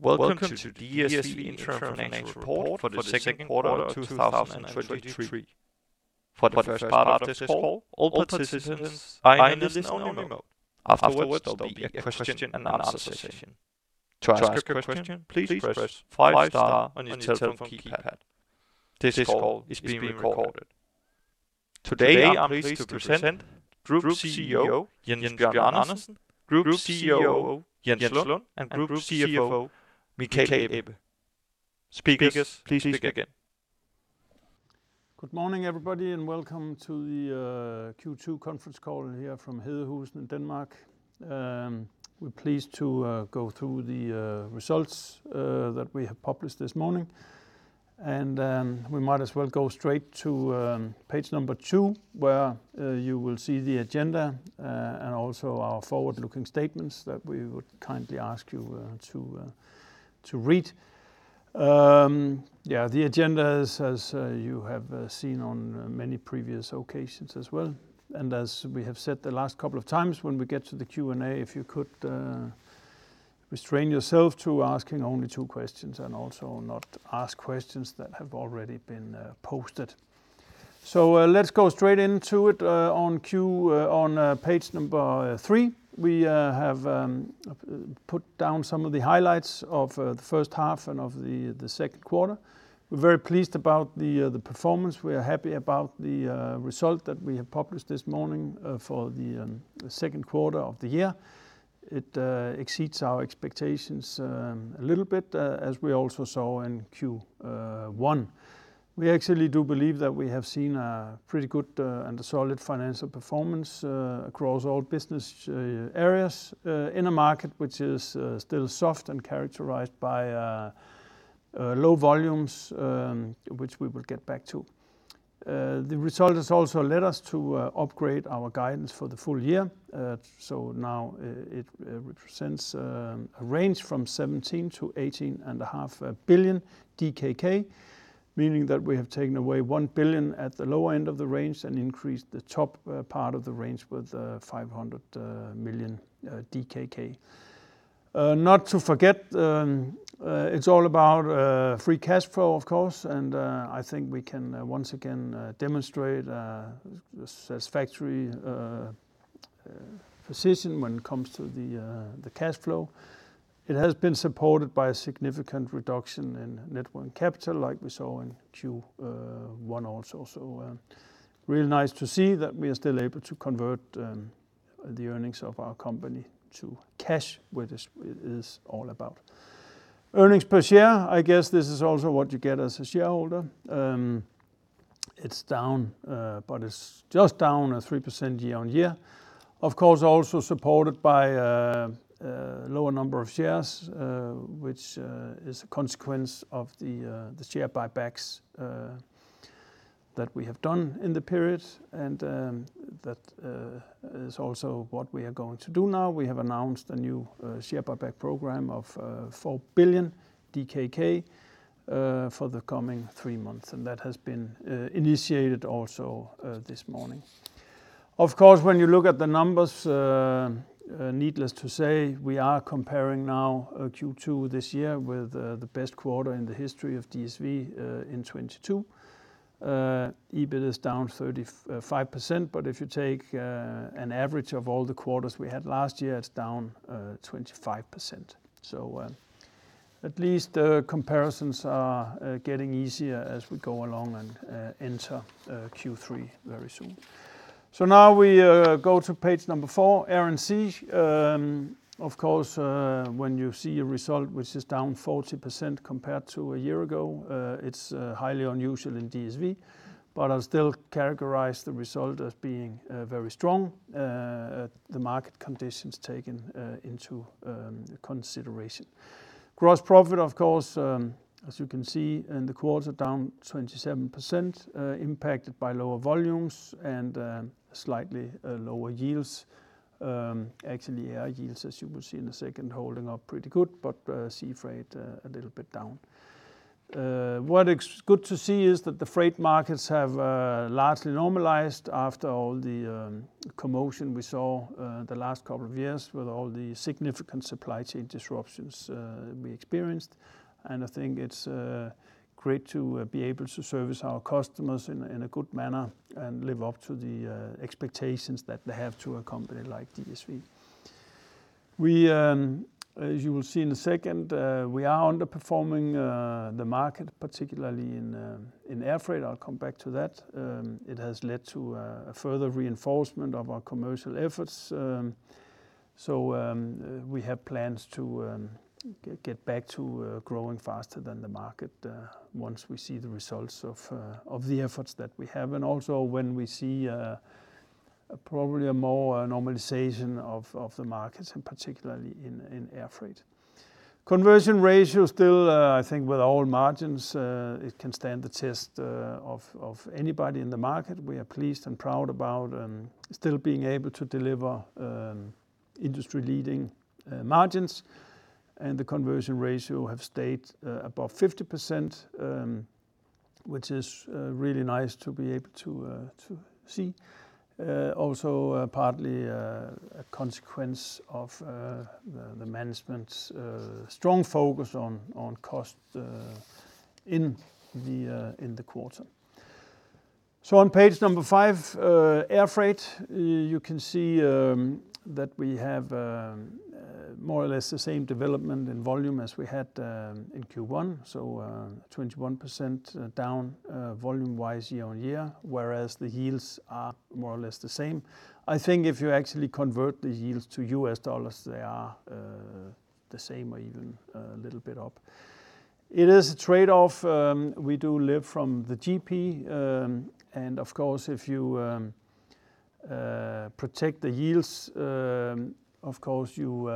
Welcome to DSV Interim Financial Report for the second quarter of 2023. For the first part of this call, all participants are in listen only mode. Afterwards, there'll be a question and answer session. To ask a question, please press five star on your telephone keypad. This call is being recorded. Today, I'm pleased to present Group CEO, Jens Bjørn Andersen, Group COO, Jens Lund, and Group CFO, Michael Ebbe. Speakers, please begin. Good morning, everybody, and welcome to the Q2 conference call here from Hedehusene in Denmark. We're pleased to go through the results that we have published this morning. We might as well go straight to page number two, where you will see the agenda and also our forward-looking statements that we would kindly ask you to read. Yeah, the agenda is as you have seen on many previous occasions as well. As we have said the last couple of times, when we get to the Q&A, if you could restrain yourself to asking only two questions, and also not ask questions that have already been posted. Let's go straight into it. On Q. On page number three, we have put down some of the highlights of the first half and of the second quarter. We're very pleased about the performance. We are happy about the result that we have published this morning for the second quarter of the year. It exceeds our expectations a little bit as we also saw in Q1. We actually do believe that we have seen a pretty good and a solid financial performance across all business areas in a market which is still soft and characterized by low volumes which we will get back to. The result has also led us to upgrade our guidance for the full year. Now, it represents a range from 17 billion-18.5 billion DKK, meaning that we have taken away 1 billion at the lower end of the range and increased the top part of the range with 500 million DKK. Not to forget, it's all about free cash flow, of course, and I think we can once again demonstrate a satisfactory position when it comes to the cash flow. It has been supported by a significant reduction in net working capital, like we saw in Q1 also. Really nice to see that we are still able to convert the earnings of our company to cash, which is, it is all about. Earnings per share, I guess this is also what you get as a shareholder. It's down, but it's just down 3% year-on-year. Of course, also supported by a lower number of shares, which is a consequence of the share buybacks that we have done in the period, and that is also what we are going to do now. We have announced a new share buyback program of 4 billion DKK for the coming three months, and that has been initiated also this morning. Of course, when you look at the numbers, needless to say, we are comparing now Q2 this year with the best quarter in the history of DSV in 2022. EBIT is down 35%, but if you take an average of all the quarters we had last year, it's down 25%. At least the comparisons are getting easier as we go along and enter Q3 very soon. Now we go to page number four, Air & Sea. Of course, when you see a result which is down 40% compared to a year ago, it's highly unusual in DSV, but I'll still characterize the result as being very strong, the market conditions taken into consideration. Gross profit, of course, as you can see, in the quarter, down 27%, impacted by lower volumes and slightly lower yields. Actually, air yields, as you will see in a second, holding up pretty good, but sea freight a little bit down. What is good to see is that the freight markets have largely normalized after all the commotion we saw the last couple of years with all the significant supply chain disruptions we experienced. I think it's great to be able to service our customers in a good manner and live up to the expectations that they have to a company like DSV. We, as you will see in a second, we are underperforming the market, particularly in air freight. I'll come back to that. It has led to a further reinforcement of our commercial efforts. We have plans to get back to growing faster than the market once we see the results of the efforts that we have, and also when we see probably a more normalization of the markets, and particularly in air freight. Conversion ratio still, I think with all margins, it can stand the test of anybody in the market. We are pleased and proud about still being able to deliver industry-leading margins, and the conversion ratio have stayed above 50%, which is really nice to be able to see. Also, partly a consequence of the management's strong focus on cost in the quarter. On page number five, Air Freight, you can see that we have more or less the same development in volume as we had in Q1. 21% down, volume-wise, year-on-year, whereas the yields are more or less the same. I think if you actually convert the yields to US dollars, they are the same or even a little bit up. It is a trade-off, we do live from the GP, and of course, if you protect the yields, of course, you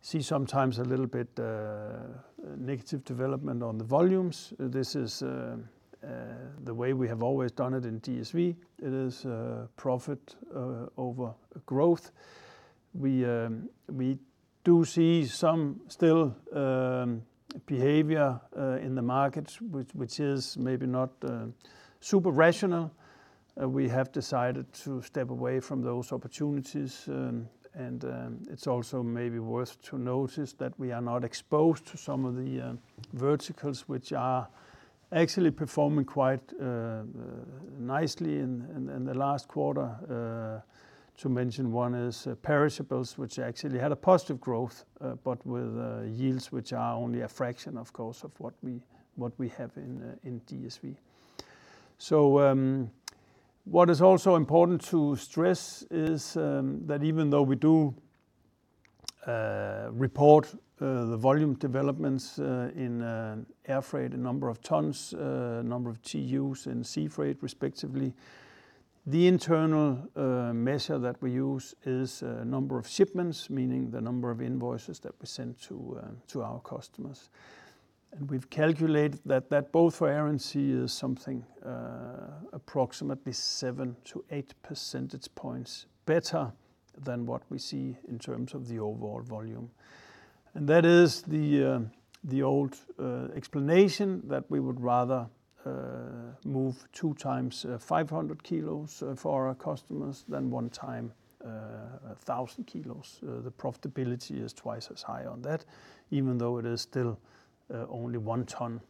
see sometimes a little bit negative development on the volumes. This is the way we have always done it in DSV. It is profit over growth. We do see some still behavior in the market, which is maybe not super rational. We have decided to step away from those opportunities, and it's also maybe worth to notice that we are not exposed to some of the verticals, which are actually performing quite nicely in the last quarter. To mention one is perishables, which actually had a positive growth, but with yields, which are only a fraction, of course, of what we have in DSV. What is also important to stress is that even though we do report the volume developments in air freight, a number of tons, number of TUs and sea freight, respectively, the internal measure that we use is number of shipments, meaning the number of invoices that we send to our customers. We've calculated that both for air and sea is something approximately 7 to 8 percentage points better than what we see in terms of the overall volume. That is the old explanation that we would rather move two times 500 kg for our customers than one time 1,000 kg. The profitability is twice as high on that, even though it is still only 1 ton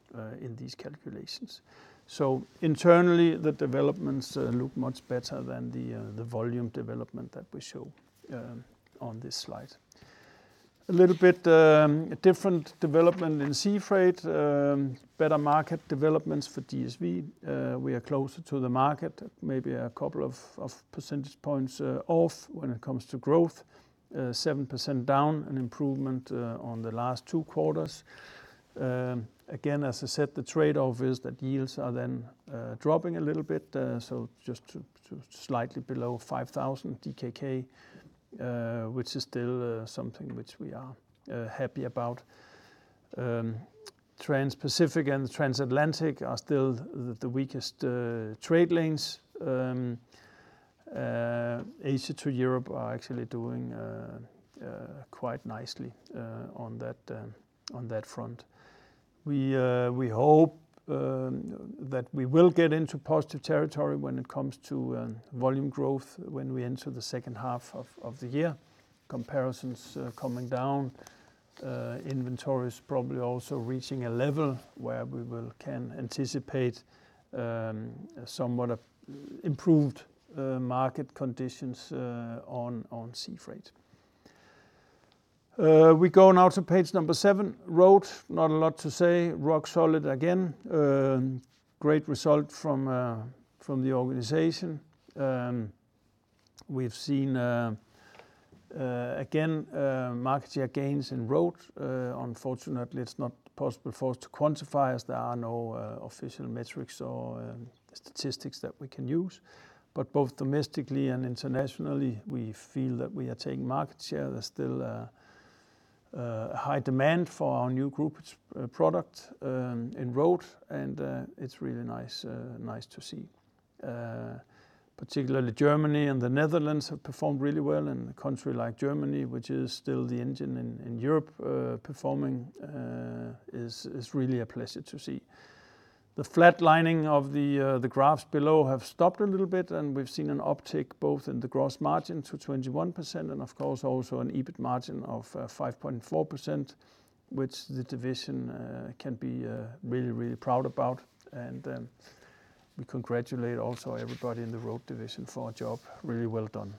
in these calculations. Internally, the developments look much better than the volume development that we show on this slide. A little bit different development in Sea Freight, better market developments for DSV. We are closer to the market, maybe a couple of percentage points off when it comes to growth. 7% down, an improvement on the last two quarters. Again, as I said, the trade-off is that yields are then dropping a little bit, so just to slightly below 5,000 DKK, which is still something which we are happy about. Transpacific and Transatlantic are still the weakest trade lanes. Asia to Europe are actually doing quite nicely on that on that front. We hope that we will get into positive territory when it comes to volume growth, when we enter the second half of the year. Comparisons coming down, inventory is probably also reaching a level where we can anticipate somewhat of improved market conditions on sea freight. We go now to page number seven, Road. Not a lot to say. Rock solid again. Great result from the organization. We've seen again market share gains in Road. Unfortunately, it's not possible for us to quantify, as there are no official metrics or statistics that we can use. Both domestically and internationally, we feel that we are taking market share. There's still a high demand for our new groupage product in Road, and it's really nice to see. Particularly Germany and the Netherlands have performed really well, and a country like Germany, which is still the engine in Europe, performing is really a pleasure to see. The flatlining of the graphs below have stopped a little bit, and we've seen an uptick both in the gross margin to 21%, and of course, also an EBIT margin of 5.4%, which the division can be really proud about. We congratulate also everybody in the Road division for a job really well done.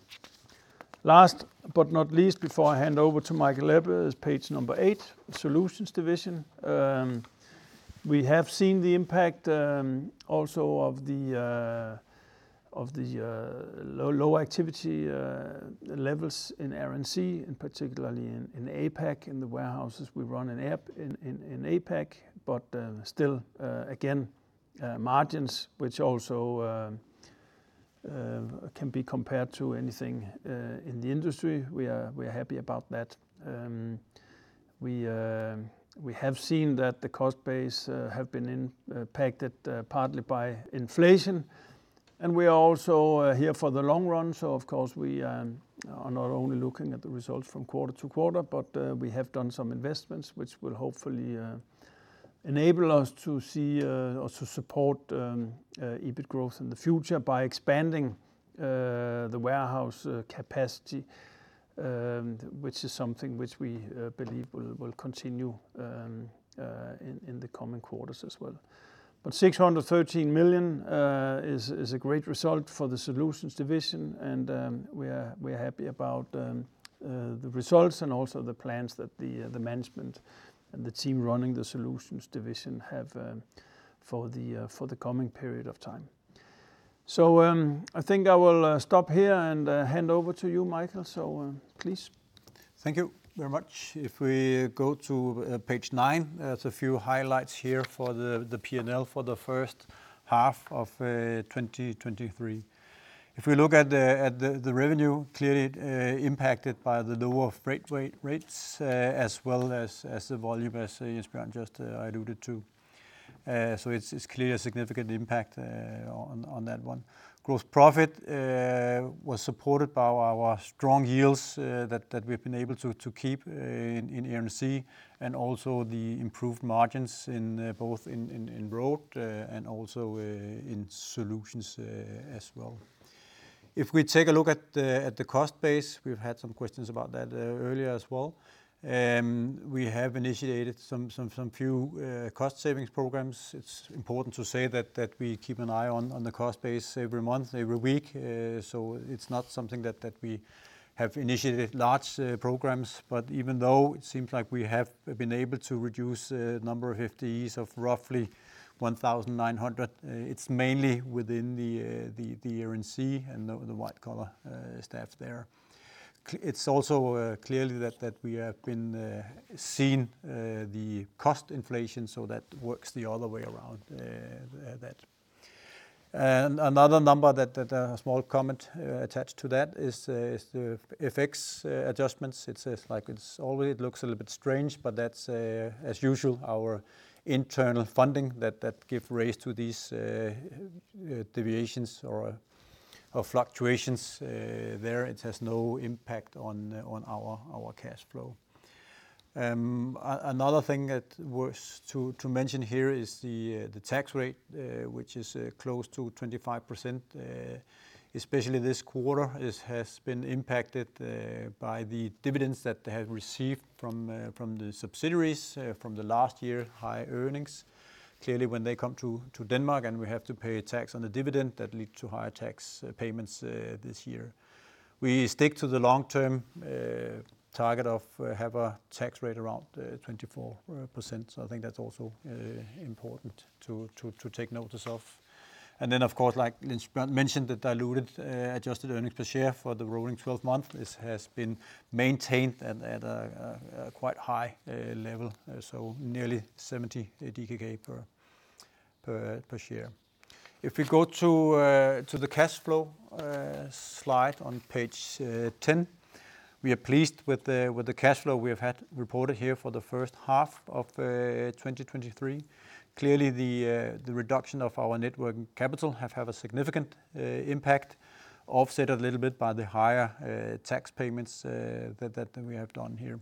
Last but not least, before I hand over to Michael Ebbe, is page number eight, Solutions division. We have seen the impact, also of the low activity levels in Air & Sea, and particularly in APAC, in the warehouses we run in APAC. Still, again, margins, which also can be compared to anything in the industry. We are happy about that. We have seen that the cost base have been impacted, partly by inflation. We are also here for the long run, so of course, we are not only looking at the results from quarter to quarter, but we have done some investments which will hopefully enable us to see or to support EBIT growth in the future by expanding the warehouse capacity, which is something which we believe will continue in the coming quarters as well. 613 million is a great result for the Solutions division, and we are happy about the results and also the plans that the management and the team running the Solutions division have for the coming period of time. I think I will stop here and hand over to you, Michael. Please. Thank you very much. If we go to page nine, there's a few highlights here for the P&L for the first half of 2023. If we look at the revenue clearly impacted by the lower freight rates, as well as the volume, as Jens Bjørn just alluded to. It's clearly a significant impact on that one. Gross profit was supported by our strong yields that we've been able to keep in Air & Sea, and also the improved margins in both in Road and also in Solutions as well. If we take a look at the cost base, we've had some questions about that earlier as well. We have initiated some few cost savings programs. It's important to say that we keep an eye on the cost base every month, every week, so it's not something that we have initiated large programs, but even though it seems like we have been able to reduce number of FTEs of roughly 1,900, it's mainly within the Air & Sea and the white collar staff there. It's also clearly that we have been seeing the cost inflation, so that works the other way around that. Another number that a small comment attached to that is the FX adjustments. It's like it always looks a little bit strange. That's as usual, our internal funding that give rise to these deviations or fluctuations there. It has no impact on our cash flow. Another thing that worth to mention here is the tax rate which is close to 25%. Especially this quarter, it has been impacted by the dividends that they have received from the subsidiaries from the last year high earnings. Clearly, when they come to Denmark, we have to pay a tax on the dividend, that lead to higher tax payments this year. We stick to the long-term target of have a tax rate around 24%. I think that's also important to take notice of. Of course, like Jens Bjørn mentioned, the diluted, adjusted earnings per share for the rolling 12 month, this has been maintained at a quite high level, nearly 70 DKK per share. If we go to the cash flow slide on page 10, we are pleased with the cash flow we have had reported here for the first half of 2023. Clearly, the reduction of our working capital have a significant impact, offset a little bit by the higher tax payments that we have done here.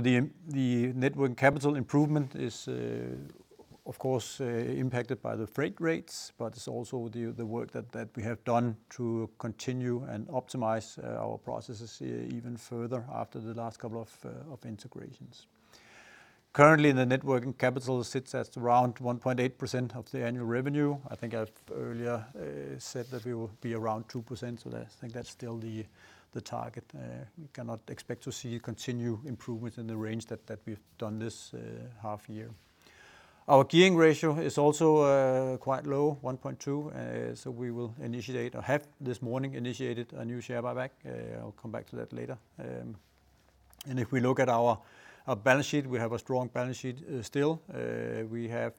The net working capital improvement is, of course, impacted by the freight rates, but it's also the work that we have done to continue and optimize our processes here even further after the last couple of integrations. Currently, the net working capital sits at around 1.8% of the annual revenue. I think I've earlier said that we will be around 2%, so I think that's still the target. We cannot expect to see continued improvements in the range that we've done this half year. Our gearing ratio is also quite low, 1.2%, so we will initiate, or have this morning, initiated a new share buyback. I'll come back to that later. If we look at our balance sheet, we have a strong balance sheet still. We have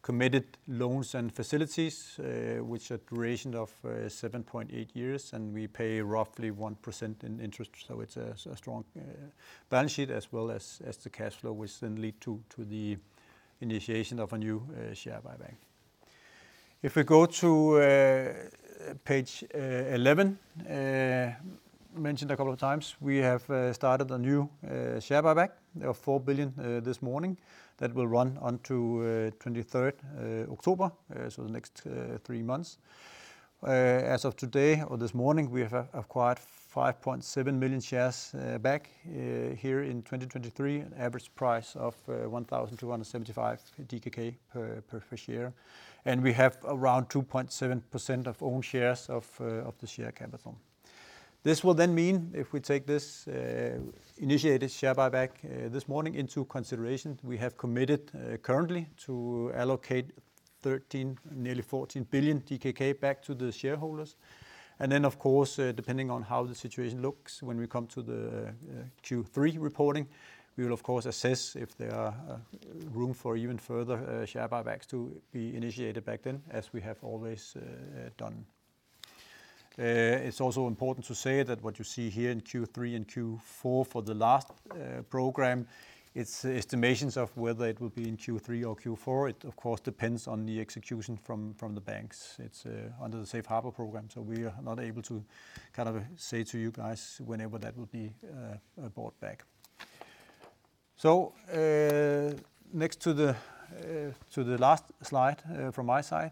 committed loans and facilities, which are duration of 7.8 years, and we pay roughly 1% in interest. It's a strong balance sheet as well as the cash flow, which then lead to the initiation of a new share buyback. If we go to page 11, mentioned a couple of times, we have started a new share buyback of 4 billion this morning. That will run onto 23rd October, the next three months. As of today, or this morning, we have acquired 5.7 million shares back here in 2023, an average price of 1,275 DKK per share, and we have around 2.7% of own shares of the share capital. This will mean if we take this initiated share buyback this morning into consideration, we have committed currently to allocate 13 billion, nearly 14 billion DKK back to the shareholders. Of course, depending on how the situation looks, when we come to the Q3 reporting, we will, of course, assess if there are room for even further share buybacks to be initiated back then, as we have always done. It's also important to say that what you see here in Q3 and Q4 for the last program, it's estimations of whether it will be in Q3 or Q4. It, of course, depends on the execution from the banks. It's under the safe harbour program, we are not able to kind of say to you guys whenever that will be brought back. Next to the last slide from my side,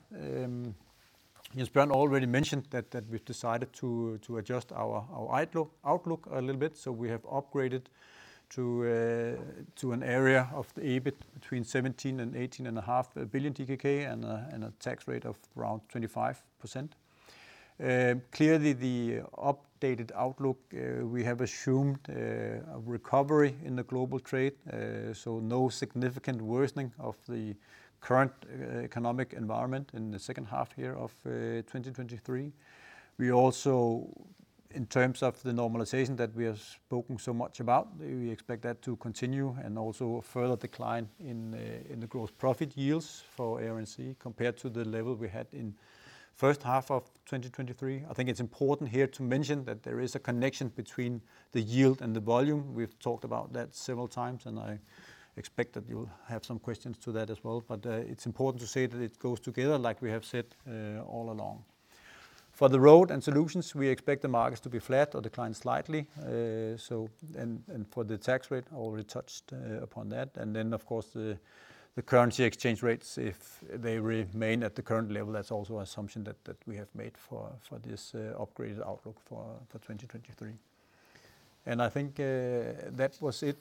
as Bjørn already mentioned that we've decided to adjust our outlook a little bit. We have upgraded to an area of the EBIT between 17 billion DKK and DKK 18.5 billion, and a tax rate of around 25%. Clearly, the updated outlook, we have assumed a recovery in the global trade, so no significant worsening of the current economic environment in the second half year of 2023. We also, in terms of the normalization that we have spoken so much about, we expect that to continue, and also a further decline in the gross profit yields for Air & Sea compared to the level we had in first half of 2023. I think it's important here to mention that there is a connection between the yield and the volume. We've talked about that several times, and I expect that you'll have some questions to that as well. It's important to say that it goes together, like we have said all along. For the Road and Solutions, we expect the markets to be flat or decline slightly. For the tax rate, I already touched upon that. Of course, the currency exchange rates, if they remain at the current level, that's also an assumption that we have made for this upgraded outlook for 2023. I think that was it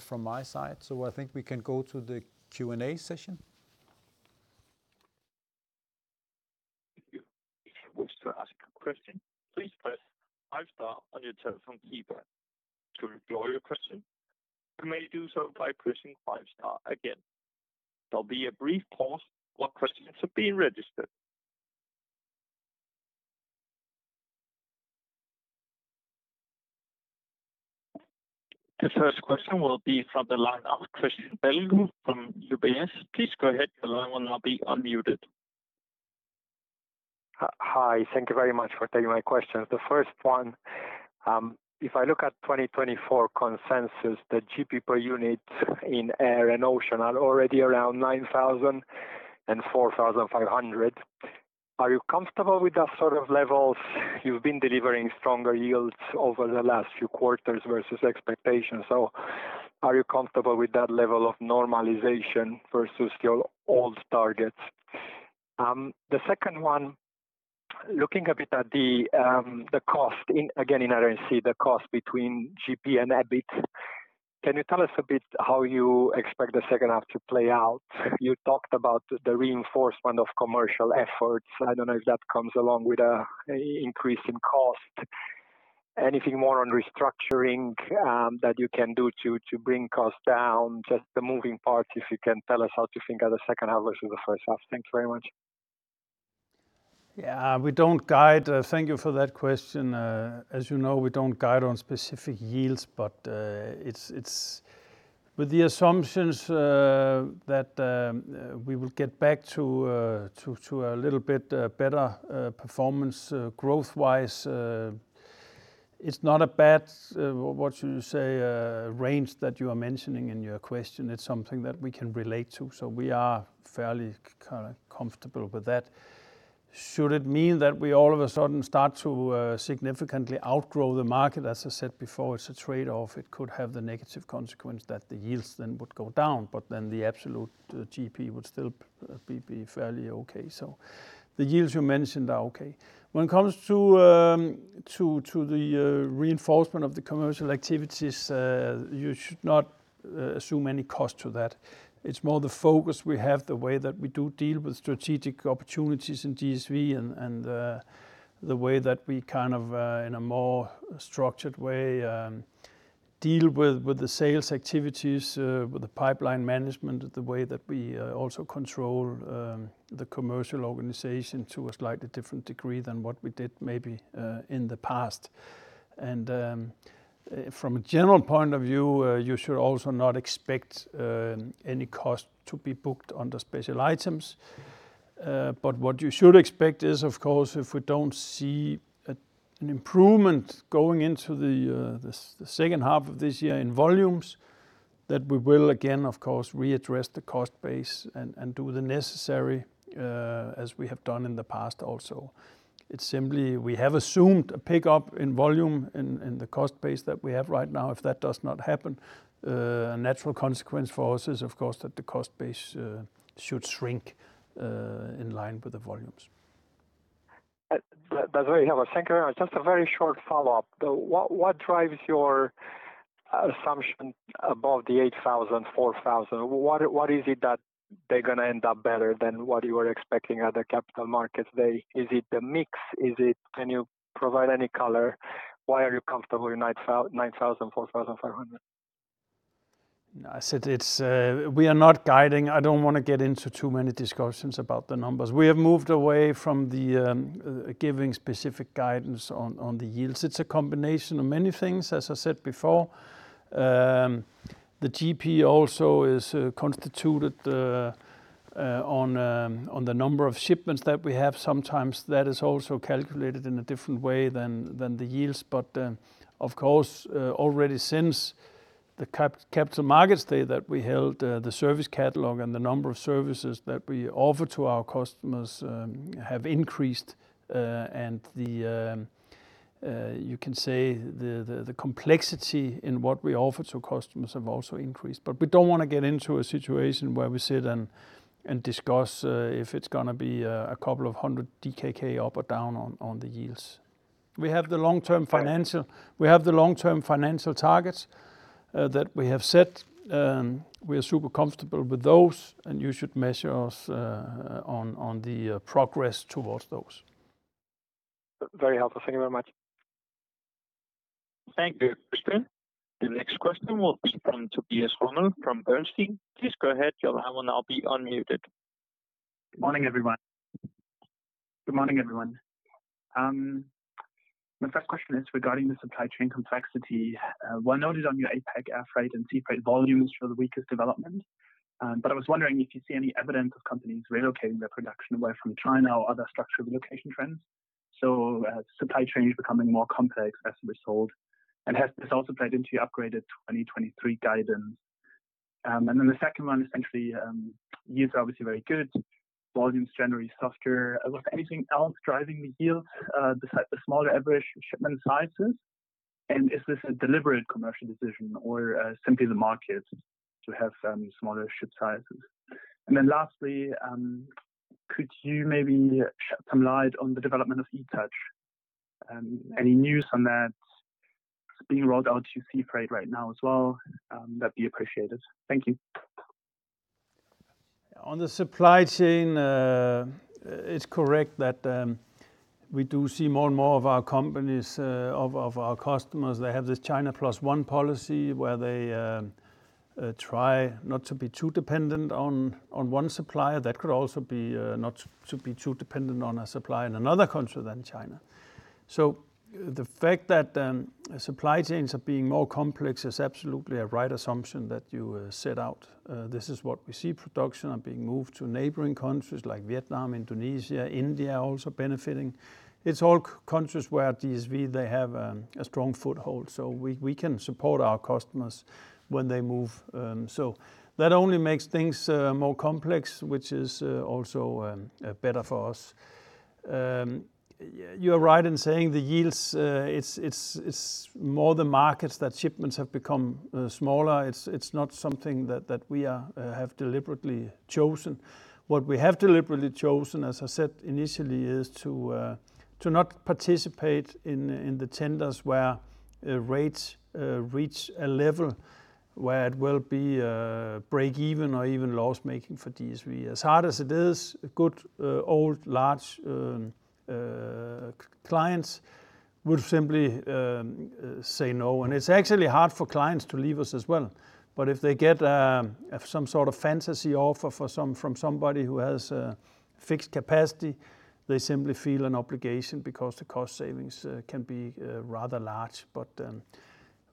from my side, so I think we can go to the Q&A session. Thank you. If you wish to ask a question, please press five star on your telephone keypad. To withdraw your question, you may do so by pressing five star again. There'll be a brief pause while questions are being registered. The first question will be from the line of Cristian Nedelcu from UBS. Please go ahead, the line will now be unmuted. Hi, thank you very much for taking my questions. The first one, if I look at 2024 consensus, the GP per unit in Air & Sea are already around 9,000 and 4,500. Are you comfortable with that sort of levels? You've been delivering stronger yields over the last few quarters versus expectations, so are you comfortable with that level of normalization versus your old targets? The second one, looking a bit at the cost in, again, in Air & Sea, the cost between GP and EBIT, can you tell us a bit how you expect the second half to play out? You talked about the reinforcement of commercial efforts. I don't know if that comes along with a increase in cost. Anything more on restructuring, that you can do to bring costs down? Just the moving parts, if you can tell us how to think of the second half versus the first half. Thanks very much. Yeah, we don't guide. Thank you for that question. As you know, we don't guide on specific yields, but with the assumptions that we will get back to a little bit better performance growth-wise, it's not a bad what should you say, range that you are mentioning in your question. It's something that we can relate to, so we are fairly kinda comfortable with that. Should it mean that we all of a sudden start to significantly outgrow the market? As I said before, it's a trade-off. It could have the negative consequence that the yields then would go down, but then the absolute GP would still be fairly okay. The yields you mentioned are okay. When it comes to the reinforcement of the commercial activities, you should not assume any cost to that. It's more the focus we have, the way that we do deal with strategic opportunities in DSV and, the way that we kind of, in a more structured way, deal with the sales activities, with the pipeline management, the way that we also control the commercial organization to a slightly different degree than what we did maybe in the past. From a general point of view, you should also not expect any cost to be booked under special items. What you should expect is, of course, if we don't see an improvement going into the second half of this year in volumes, that we will again, of course, readdress the cost base and do the necessary, as we have done in the past also. It's simply we have assumed a pickup in volume in the cost base that we have right now. If that does not happen, a natural consequence for us is, of course, that the cost base should shrink in line with the volumes. That's very helpful. Thank you. Just a very short follow-up, though. What drives your assumption above 8,000, 4,000? What is it that they're gonna end up better than what you were expecting at the Capital Markets Day? Is it the mix? Can you provide any color? Why are you comfortable in 9,000, 4,500? I said it's, we are not guiding. I don't wanna get into too many discussions about the numbers. We have moved away from the giving specific guidance on the yields. It's a combination of many things, as I said before. The GP also is constituted on the number of shipments that we have. Sometimes that is also calculated in a different way than the yields. Of course, already since the Capital Markets Day that we held, the service catalog and the number of services that we offer to our customers have increased. The, you can say the complexity in what we offer to customers have also increased. We don't wanna get into a situation where we sit and discuss if it's gonna be a couple of hundred DKK up or down on the yields. We have the long-term financial targets that we have set, we are super comfortable with those, and you should measure us on the progress towards those. Very helpful. Thank you very much. Thank you, Cristian. The next question will be from Tobias [Fromme] from Bernstein. Please go ahead. Your line will now be unmuted. Good morning, everyone. My first question is regarding the supply chain complexity. Well noted on your APAC airfreight and sea freight volumes show the weakest development. I was wondering if you see any evidence of companies relocating their production away from China or other structural relocation trends, so supply chains becoming more complex as a result, and has this also played into your upgraded 2023 guidance? The second one is essentially, yields obviously very good, volumes generally softer. Was there anything else driving the yield besides the smaller average shipment sizes? Is this a deliberate commercial decision or simply the market to have smaller ship sizes? Lastly, could you maybe shed some light on the development of eTouch, any news on that being rolled out to sea freight right now as well? That'd be appreciated. Thank you. On the supply chain, it's correct that we do see more and more of our companies, of our customers. They have this China Plus One policy, where they try not to be too dependent on one supplier. That could also be not to be too dependent on a supplier in another country than China. The fact that supply chains are being more complex is absolutely a right assumption that you set out. This is what we see. Production are being moved to neighboring countries like Vietnam, Indonesia, India, also benefiting. It's all countries where DSV, they have a strong foothold, so we can support our customers when they move. That only makes things more complex, which is also better for us. You are right in saying the yields, it's more the markets that shipments have become smaller. It's not something that we are, have deliberately chosen. What we have deliberately chosen, as I said initially, is to not participate in the tenders where rates reach a level where it will be break even or even loss-making for DSV. As hard as it is, good, old, large clients would simply say no. It's actually hard for clients to leave us as well, but if they get some sort of fantasy offer from somebody who has fixed capacity, they simply feel an obligation because the cost savings can be rather large.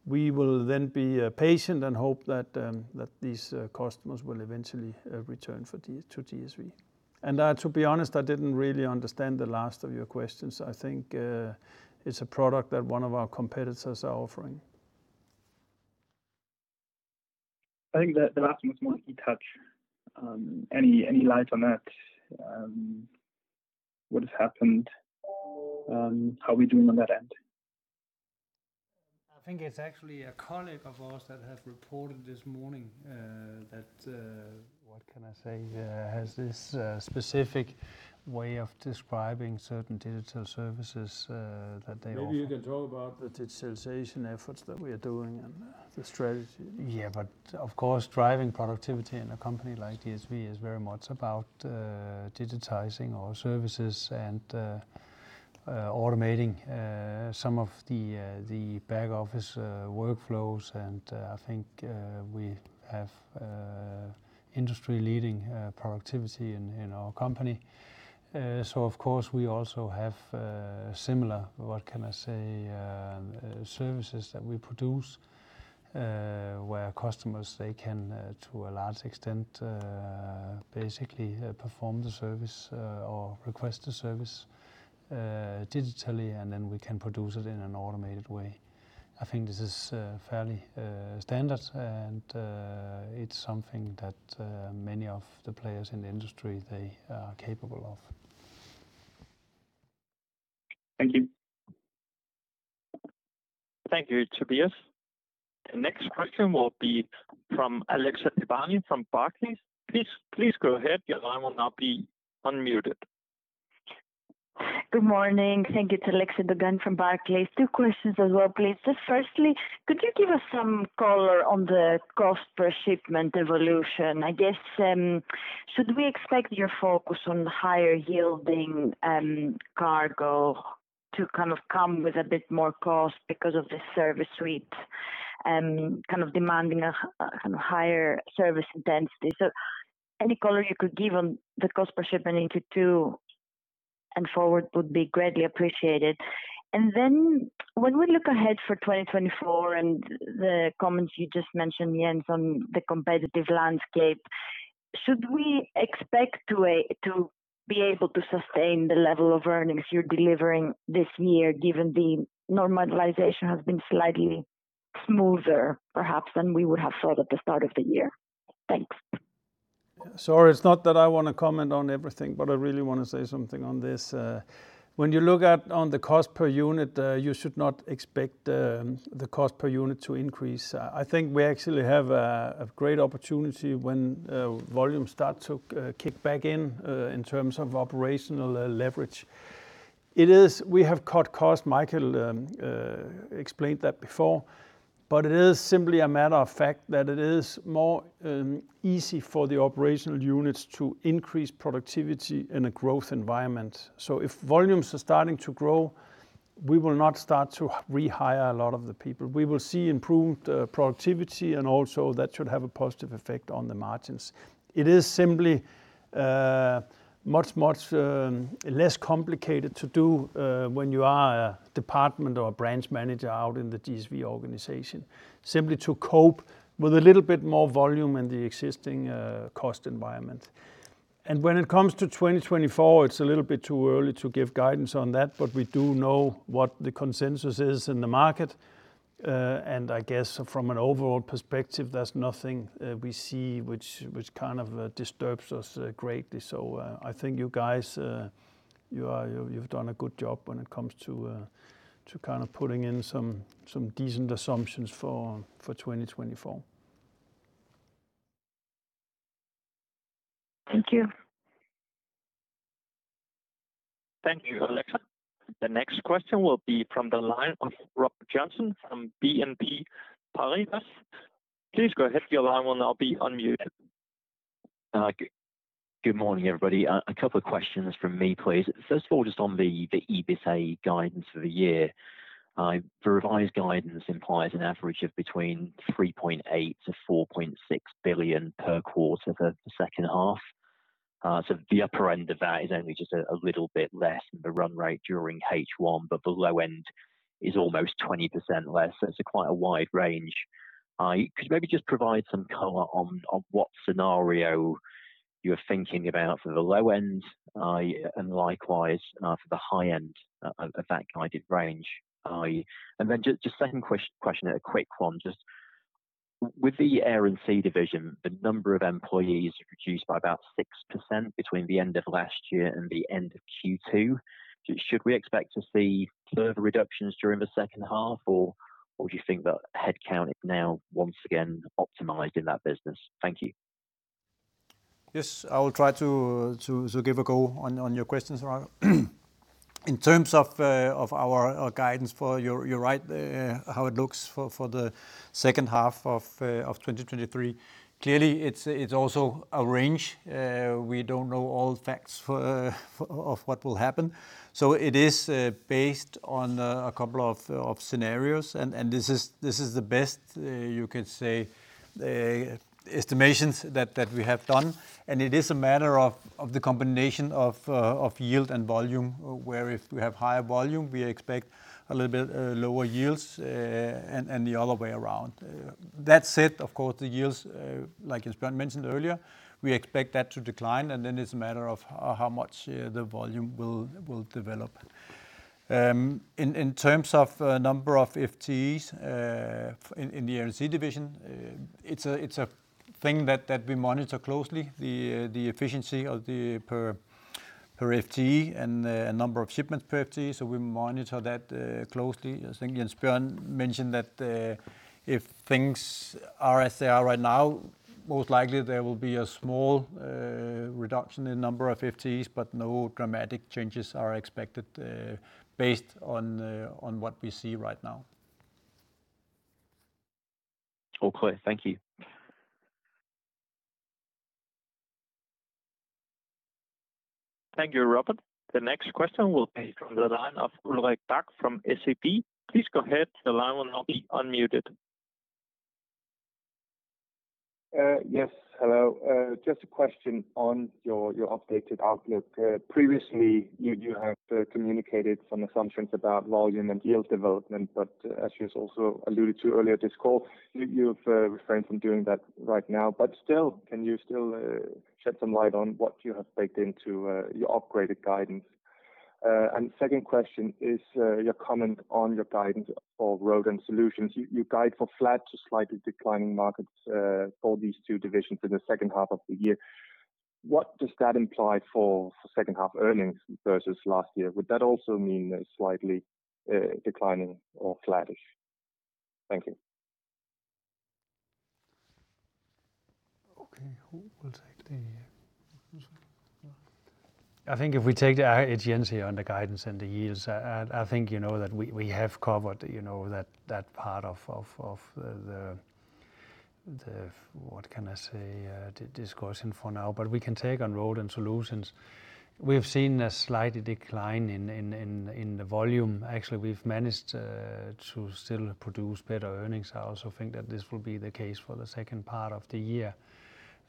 We will then be patient and hope that that these customers will eventually return to DSV. To be honest, I didn't really understand the last of your questions. I think it's a product that one of our competitors are offering. I think that the last one was more on eTouch. Any light on that? What has happened? How are we doing on that end? I think it's actually a colleague of ours that have reported this morning, that, what can I say, has this specific way of describing certain digital services that they offer. Maybe you can talk about the digitalization efforts that we are doing and the strategy. Yeah, of course, driving productivity in a company like DSV is very much about digitizing our services and automating some of the back office workflows, and I think we have industry-leading productivity in our company. Of course, we also have similar, what can I say, services that we produce, where customers, they can to a large extent basically perform the service or request the service digitally, and then we can produce it in an automated way. I think this is fairly standard, and it's something that many of the players in the industry, they are capable of. Thank you. Thank you, Tobias. The next question will be from Alexia Dogani from Barclays. Please go ahead. Your line will now be unmuted. Good morning. Thank you. It's Alexia Dogani from Barclays. Two questions as well, please. Just firstly, could you give us some color on the cost per shipment evolution? I guess, should we expect your focus on higher yielding, cargo to kind of come with a bit more cost because of the service suite, kind of demanding a kind of higher service intensity? Any color you could give on the cost per shipment in Q2 and forward would be greatly appreciated. Then when we look ahead for 2024, and the comments you just mentioned, Jens, on the competitive landscape- Should we expect to be able to sustain the level of earnings you're delivering this year, given the normalization has been slightly smoother, perhaps, than we would have thought at the start of the year? Thanks. Sorry, it's not that I wanna comment on everything. I really wanna say something on this. When you look at, on the cost per unit, you should not expect the cost per unit to increase. I think we actually have a great opportunity when volumes start to kick back in in terms of operational leverage. We have cut costs, Michael explained that before, but it is simply a matter of fact that it is more easy for the operational units to increase productivity in a growth environment. If volumes are starting to grow, we will not start to rehire a lot of the people. We will see improved productivity, and also that should have a positive effect on the margins. It is simply much, much less complicated to do when you are a department or a branch manager out in the DSV organization, simply to cope with a little bit more volume in the existing cost environment. When it comes to 2024, it's a little bit too early to give guidance on that, but we do know what the consensus is in the market. I guess from an overall perspective, there's nothing we see which kind of disturbs us greatly. I think you guys, you've done a good job when it comes to kind of putting in some decent assumptions for 2024. Thank you. Thank you, Alexia. The next question will be from the line of Robert Joynson from BNP Paribas. Please go ahead, your line will now be unmuted. Good morning, everybody. A couple of questions from me, please. First of all, just on the EBITA guidance for the year. The revised guidance implies an average of between 3.8 billion-4.6 billion per quarter for the second half. The upper end of that is only just a little bit less than the run rate during H1, but the low end is almost 20% less, so it's quite a wide range. Could you maybe just provide some color on what scenario you're thinking about for the low end, and likewise, for the high end of that guided range? just second question, a quick one, just with the Air & Sea division, the number of employees reduced by about 6% between the end of last year and the end of Q2. Should we expect to see further reductions during the second half, or would you think that headcount is now once again optimized in that business? Thank you. Yes, I will try to give a go on your questions, Robert. In terms of our guidance for... You're right, how it looks for the second half of 2023. Clearly, it's also a range. We don't know all the facts for of what will happen. It is based on a couple of scenarios, and this is the best, you could say, estimations that we have done. It is a matter of the combination of yield and volume, where if we have higher volume, we expect a little bit lower yields, and the other way around. That said, of course, the yields, like as Bjørn mentioned earlier, we expect that to decline, and then it's a matter of how much the volume will develop. In terms of number of FTEs in the Air & Sea division, it's a thing that we monitor closely, the efficiency of the per FTE and the number of shipments per FTE, so we monitor that closely. As Bjørn mentioned that if things are as they are right now, most likely there will be a small reduction in number of FTEs, but no dramatic changes are expected based on what we see right now. All clear. Thank you. Thank you, Robert. The next question will be from the line of Ulrik Bak from SEB. Please go ahead. The line will now be unmuted. Yes, hello. Just a question on your updated outlook. Previously, you have communicated some assumptions about volume and yield development, but as you also alluded to earlier this call, you've refrained from doing that right now. Still, can you still shed some light on what you have baked into your upgraded guidance? Second question is your comment on your guidance for Road and Solutions. You guide for flat to slightly declining markets for these two divisions in the second half of the year. What does that imply for second half earnings versus last year? Would that also mean a slightly declining or flattish? Thank you. Okay, who will take the I think if we take the agency on the guidance and the yields, I think you know that we have covered, you know, that part of the what can I say, discussion for now. We can take on Road and Solutions. We have seen a slight decline in the volume. Actually, we've managed to still produce better earnings. I also think that this will be the case for the second part of the year.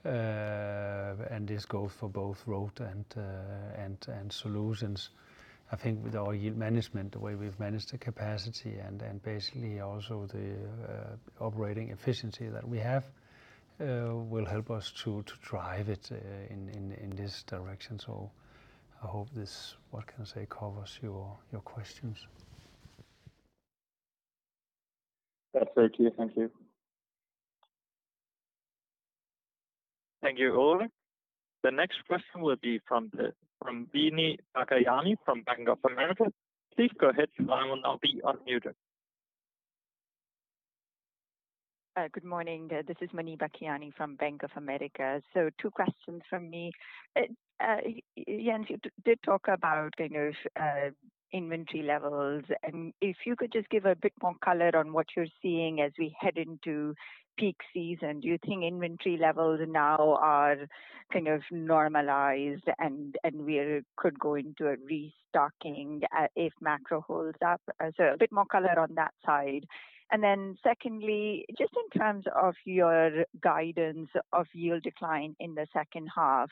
And this goes for both Road and Solutions. I think with our yield management, the way we've managed the capacity and basically also the operating efficiency that we have will help us to drive it in this direction. I hope this, what can I say, covers your questions. That's very clear. Thank you. Thank you, Ole. The next question will be from Muneeba Kayani from Bank of America. Please go ahead, your line will now be unmuted. Good morning. This is Muneeba Kayani from Bank of America. Two questions from me. Jens, you did talk about kind of inventory levels, if you could just give a bit more color on what you're seeing as we head into peak season. Do you think inventory levels now are kind of normalized and we're could go into a restocking if macro holds up? A bit more color on that side. Secondly, just in terms of your guidance of yield decline in the second half,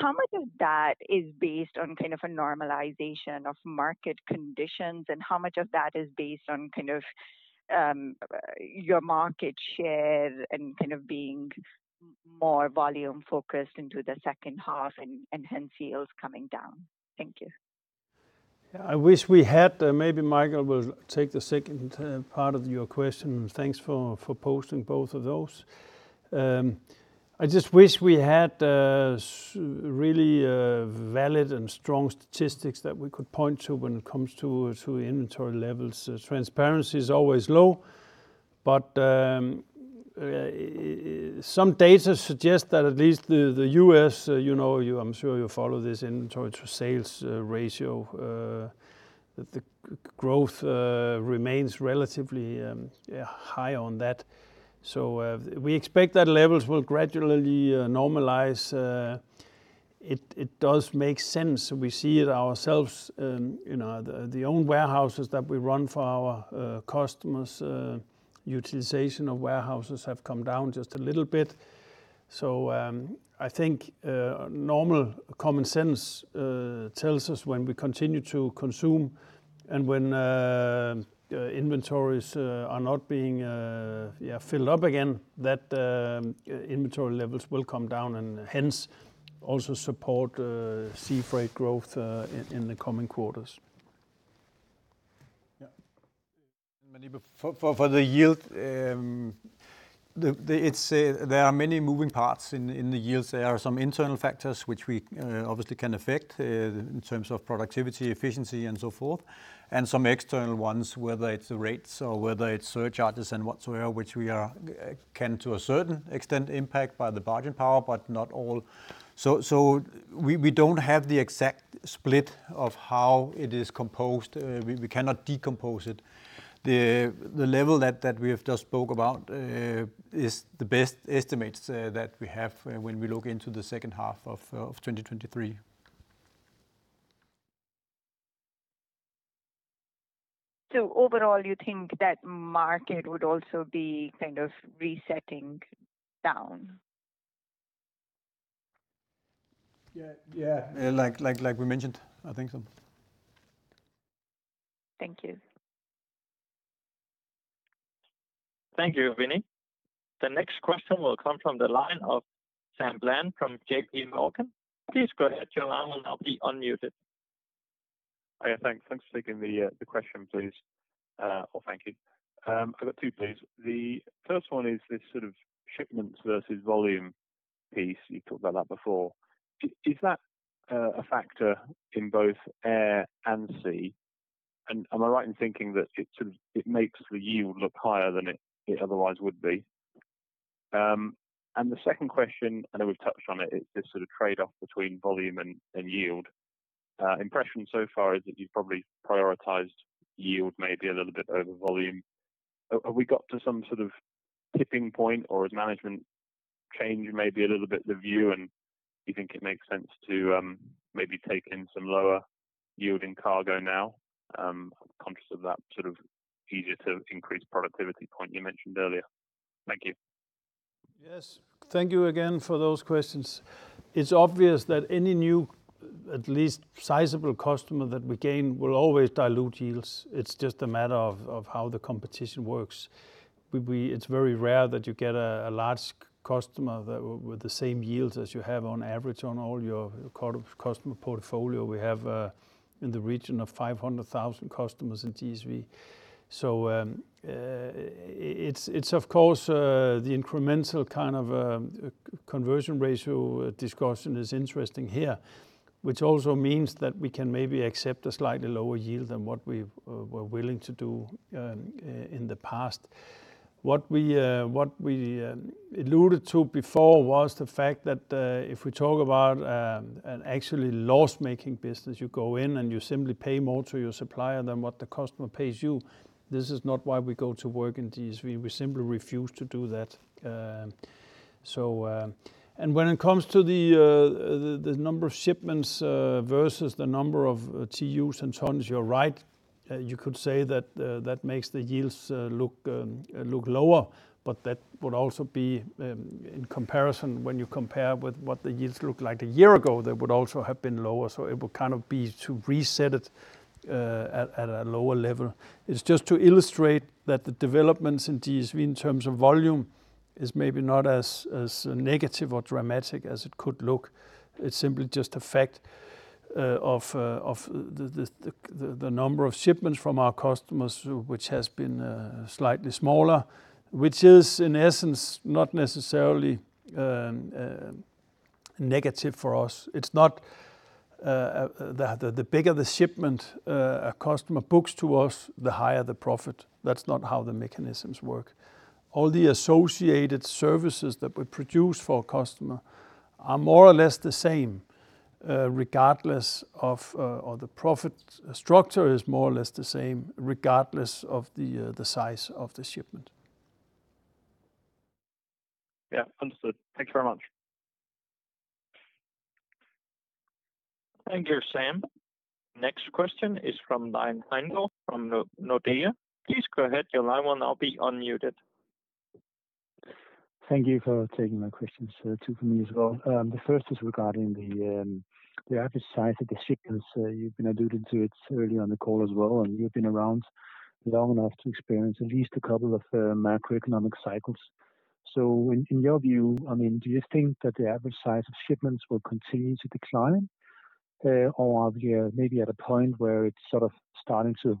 how much of that is based on kind of a normalization of market conditions, and how much of that is based on kind of your market share and kind of being more volume focused into the second half and hence yields coming down? Thank you. Yeah, I wish we had, maybe Michael will take the second part of your question. Thanks for posting both of those. I just wish we had really valid and strong statistics that we could point to when it comes to inventory levels. Transparency is always low, but some data suggest that at least the U.S., you know, I'm sure you follow this inventory to sales ratio, the growth remains relatively high on that. We expect that levels will gradually normalize. It does make sense. We see it ourselves, you know, the own warehouses that we run for our customers, utilization of warehouses have come down just a little bit. sense, uh, tells us when we continue to consume and when, uh, inventories, uh, are not being, uh, yeah, filled up again, that, um, inventory levels will come down and hence also support, uh, sea freight growth, uh, in the coming quarters. Yeah. For the yield, the it's, there are many moving parts in the yields. There are some internal factors which we obviously can affect, in terms of productivity, efficiency, and so forth, and some external ones, whether it's the rates or whether it's surcharges and whatsoever, which we are, can, to a certain extent, impact by the bargain power, but not all. We don't have the exact split of how it is composed. We cannot decompose it. The level that we have just spoke about, is the best estimates, that we have, when we look into the second half of 2023. Overall, you think that market would also be kind of resetting down? Yeah, yeah, like we mentioned, I think so. Thank you. Thank you, Muneeba. The next question will come from the line of Sam Bland from JP Morgan. Please go ahead, your line will now be unmuted. Hi, thanks. Thanks for taking the question, please. Well, thank you. I've got two, please. The first one is this sort of shipments versus volume piece. You talked about that before. Is that a factor in both Air & Sea? Am I right in thinking that it sort of makes the yield look higher than it otherwise would be? The second question, I know we've touched on it, is this sort of trade-off between volume and yield. Impression so far is that you've probably prioritized yield maybe a little bit over volume. Have we got to some sort of tipping point, or has management changed maybe a little bit the view, and you think it makes sense to maybe take in some lower yielding cargo now, conscious of that sort of easier to increase productivity point you mentioned earlier? Thank you. Yes. Thank you again for those questions. It's obvious that any new, at least sizable customer that we gain, will always dilute yields. It's just a matter of how the competition works. It's very rare that you get a large customer that with the same yields as you have on average on all your customer portfolio. We have in the region of 500,000 customers in DSV. It's of course, the incremental kind of, conversion ratio discussion is interesting here, which also means that we can maybe accept a slightly lower yield than what we've were willing to do in the past. What we alluded to before was the fact that if we talk about an actually loss-making business, you go in and you simply pay more to your supplier than what the customer pays you. This is not why we go to work in DSV. We simply refuse to do that. When it comes to the number of shipments versus the number of TUs and tons, you're right. You could say that that makes the yields look lower, that would also be in comparison when you compare with what the yields looked like a year ago, they would also have been lower. It would kind of be to reset it at a lower level. It's just to illustrate that the developments in DSV in terms of volume is maybe not as negative or dramatic as it could look. It's simply just a fact of the number of shipments from our customers, which has been slightly smaller, which is, in essence, not necessarily negative for us. It's not the bigger the shipment a customer books to us, the higher the profit. That's not how the mechanisms work. All the associated services that we produce for a customer are more or less the same, regardless of. The profit structure is more or less the same, regardless of the size of the shipment. Yeah. Understood. Thank you very much. Thank you, Sam. Next question is from the line from Nordea. Please go ahead, your line will now be unmuted. Thank you for taking my questions, two for me as well. The first is regarding the average size of the shipments. You've been alluding to it early on the call as well, and you've been around long enough to experience at least a couple of macroeconomic cycles. In your view, I mean, do you think that the average size of shipments will continue to decline, or are we maybe at a point where it's sort of starting to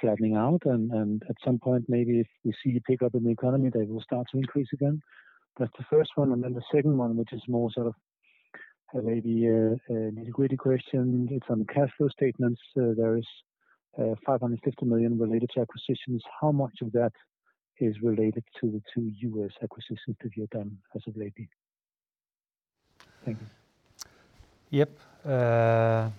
flattening out, and, at some point, maybe if we see a pickup in the economy, they will start to increase again? That's the first one, and then the second one, which is more sort of, maybe a liquidity question. In some cash flow statements, there is 550 million related to acquisitions. How much of that is related to the two U.S. acquisitions that you have done as of lately? Thank you. Yep.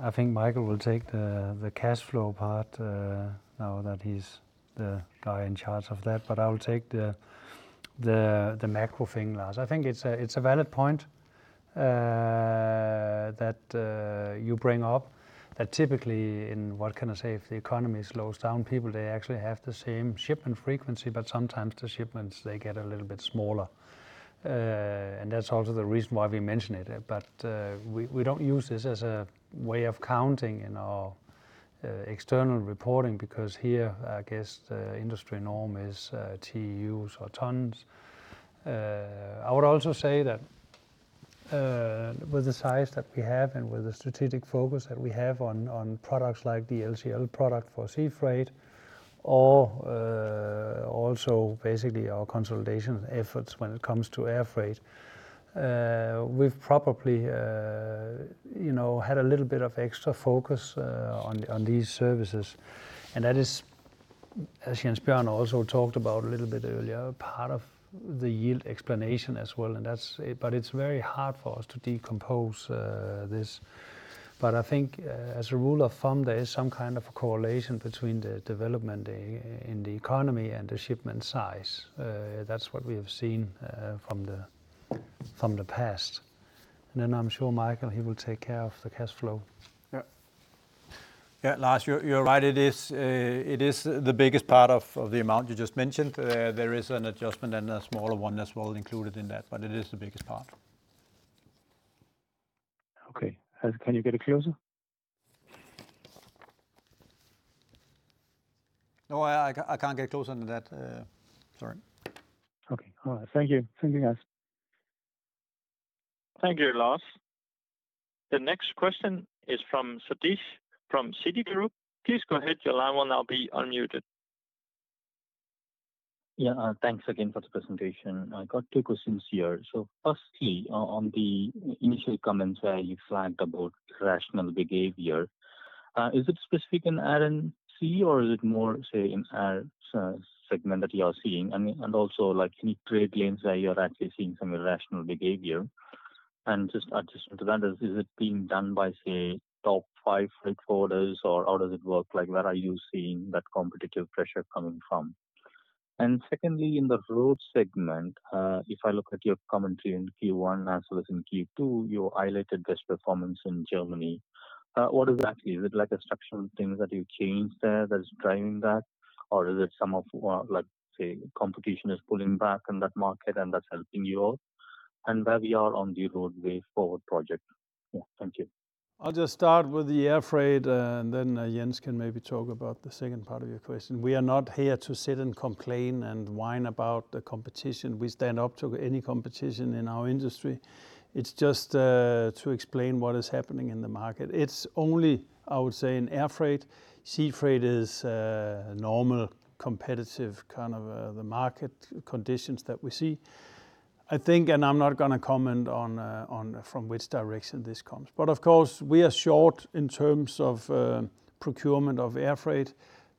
I think Michael will take the cash flow part, now that he's the guy in charge of that, but I will take the, the macro thing last. I think it's a, it's a valid point, that, you bring up, that typically in, what can I say, if the economy slows down, people, they actually have the same shipment frequency, but sometimes the shipments, they get a little bit smaller. That's also the reason why we mention it. We don't use this as a way of counting in our, external reporting, because here, I guess, the industry norm is, TUs or tons. I would also say that, with the size that we have and with the strategic focus that we have on products like the LCL product for sea freight, or also basically our consolidation efforts when it comes to air freight, we've probably, you know, had a little bit of extra focus on these services. That is, as Jens Bjørn also talked about a little bit earlier, part of the yield explanation as well, and that's it. It's very hard for us to decompose this. I think, as a rule of thumb, there is some kind of correlation between the development in the economy and the shipment size. That's what we have seen from the past. Then I'm sure Michael, he will take care of the cash flow. Yeah. Yeah, Lars, you're right. It is, it is the biggest part of the amount you just mentioned. There is an adjustment and a smaller one as well included in that, but it is the biggest part. Okay. Can you get it closer? No, I can't get closer than that. Sorry. Okay. All right. Thank you. Thank you, guys. Thank you, Lars. The next question is from Sathish, from Citigroup. Please go ahead, your line will now be unmuted. Thanks again for the presentation. I got two questions here. Firstly, on the initial comments where you flagged about rational behavior, is it specific in Air & Sea or is it more, say, in, segment that you are seeing? Like, can you clearly say you are actually seeing some irrational behavior? Just addition to that, is it being done by, say, top five freight forwarders, or how does it work? Like, where are you seeing that competitive pressure coming from? Secondly, in the Road segment, if I look at your commentary in Q1 as well as in Q2, you highlighted best performance in Germany. What exactly? Is it like a structural thing that you changed there that's driving that, or is it some of, like, say, competition is pulling back in that market and that's helping you all? Where we are on the Road forward project. Yeah. Thank you. I'll just start with the air freight, and then Jens can maybe talk about the second part of your question. We are not here to sit and complain and whine about the competition. We stand up to any competition in our industry. It's just to explain what is happening in the market. It's only, I would say, in air freight. Sea freight is a normal, competitive kind of the market conditions that we see. I think, and I'm not gonna comment on from which direction this comes, but of course, we are short in terms of procurement of air freight,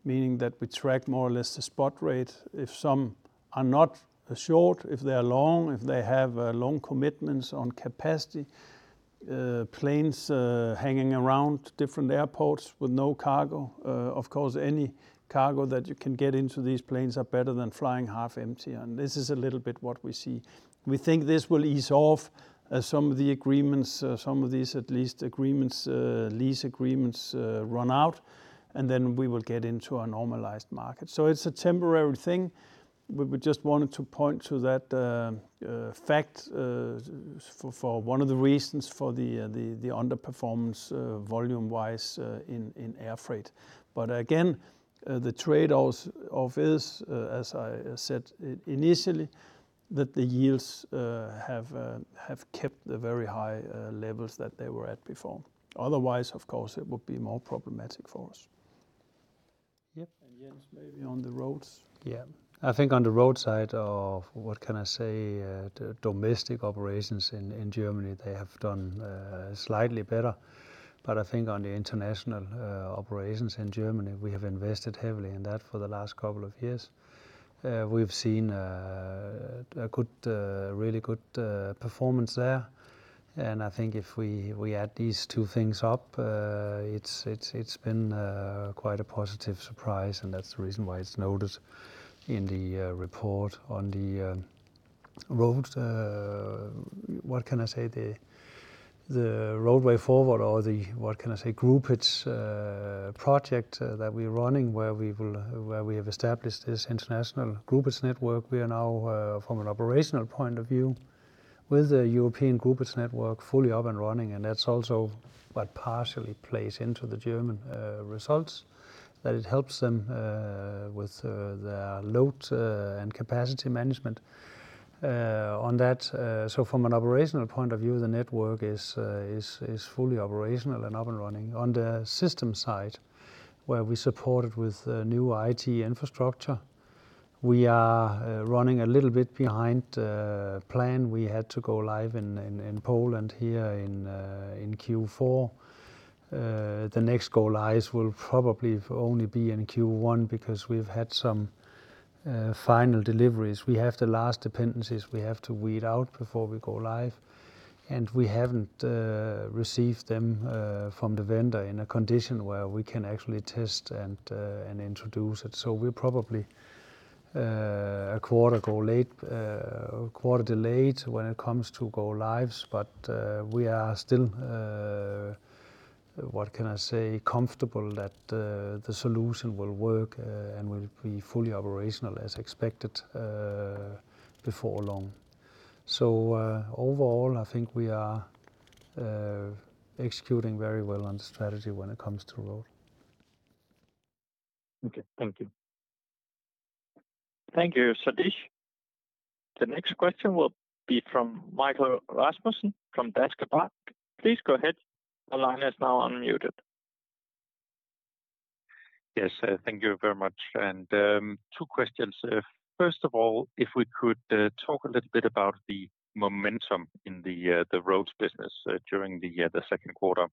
meaning that we track more or less the spot rate. If some are not short, if they are long, if they have long commitments on capacity, planes hanging around different airports with no cargo... Any cargo that you can get into these planes are better than flying half empty. This is a little bit what we see. We think this will ease off as some of the agreements, some of these at least agreements, lease agreements, run out, and then we will get into a normalized market. It's a temporary thing. We just wanted to point to that fact for one of the reasons for the underperformance volume-wise in air freight. Again, the trade-offs of this, as I said initially, that the yields have kept the very high levels that they were at before. Otherwise, of course, it would be more problematic for us. Yep, Jens, maybe on the Road? Yeah, I think on the Road side of, what can I say, the domestic operations in Germany, they have done slightly better. I think on the international operations in Germany, we have invested heavily in that for the last couple of years. We've seen a good, really good performance there. I think if we add these two things up, it's been quite a positive surprise, and that's the reason why it's noticed in the report on the Road. What can I say, the roadway forward or the, what can I say, groupage project that we're running, where we have established this international groupage network. We are now from an operational point of view, with the European groupage network fully up and running, and that's also what partially plays into the German results, that it helps them with their load and capacity management on that. From an operational point of view, the network is fully operational and up and running. On the system side, where we support it with new IT infrastructure, we are running a little bit behind plan. We had to go live in Poland here in Q4. The next go-lives will probably only be in Q1 because we've had some final deliveries. We have the last dependencies we have to weed out before we go live. We haven't received them from the vendor in a condition where we can actually test and introduce it. We're probably a quarter go late, a quarter delayed when it comes to go-lives. We are still, what can I say? Comfortable that the solution will work and will be fully operational as expected before long. Overall, I think we are executing very well on the strategy when it comes to Road. Okay. Thank you. Thank you, Sathish. The next question will be from Michael Rasmussen from Danske Bank. Please go ahead. The line is now unmuted. Yes, thank you very much. two questions. First of all, if we could talk a little bit about the momentum in the Road business during the year, the second quarter.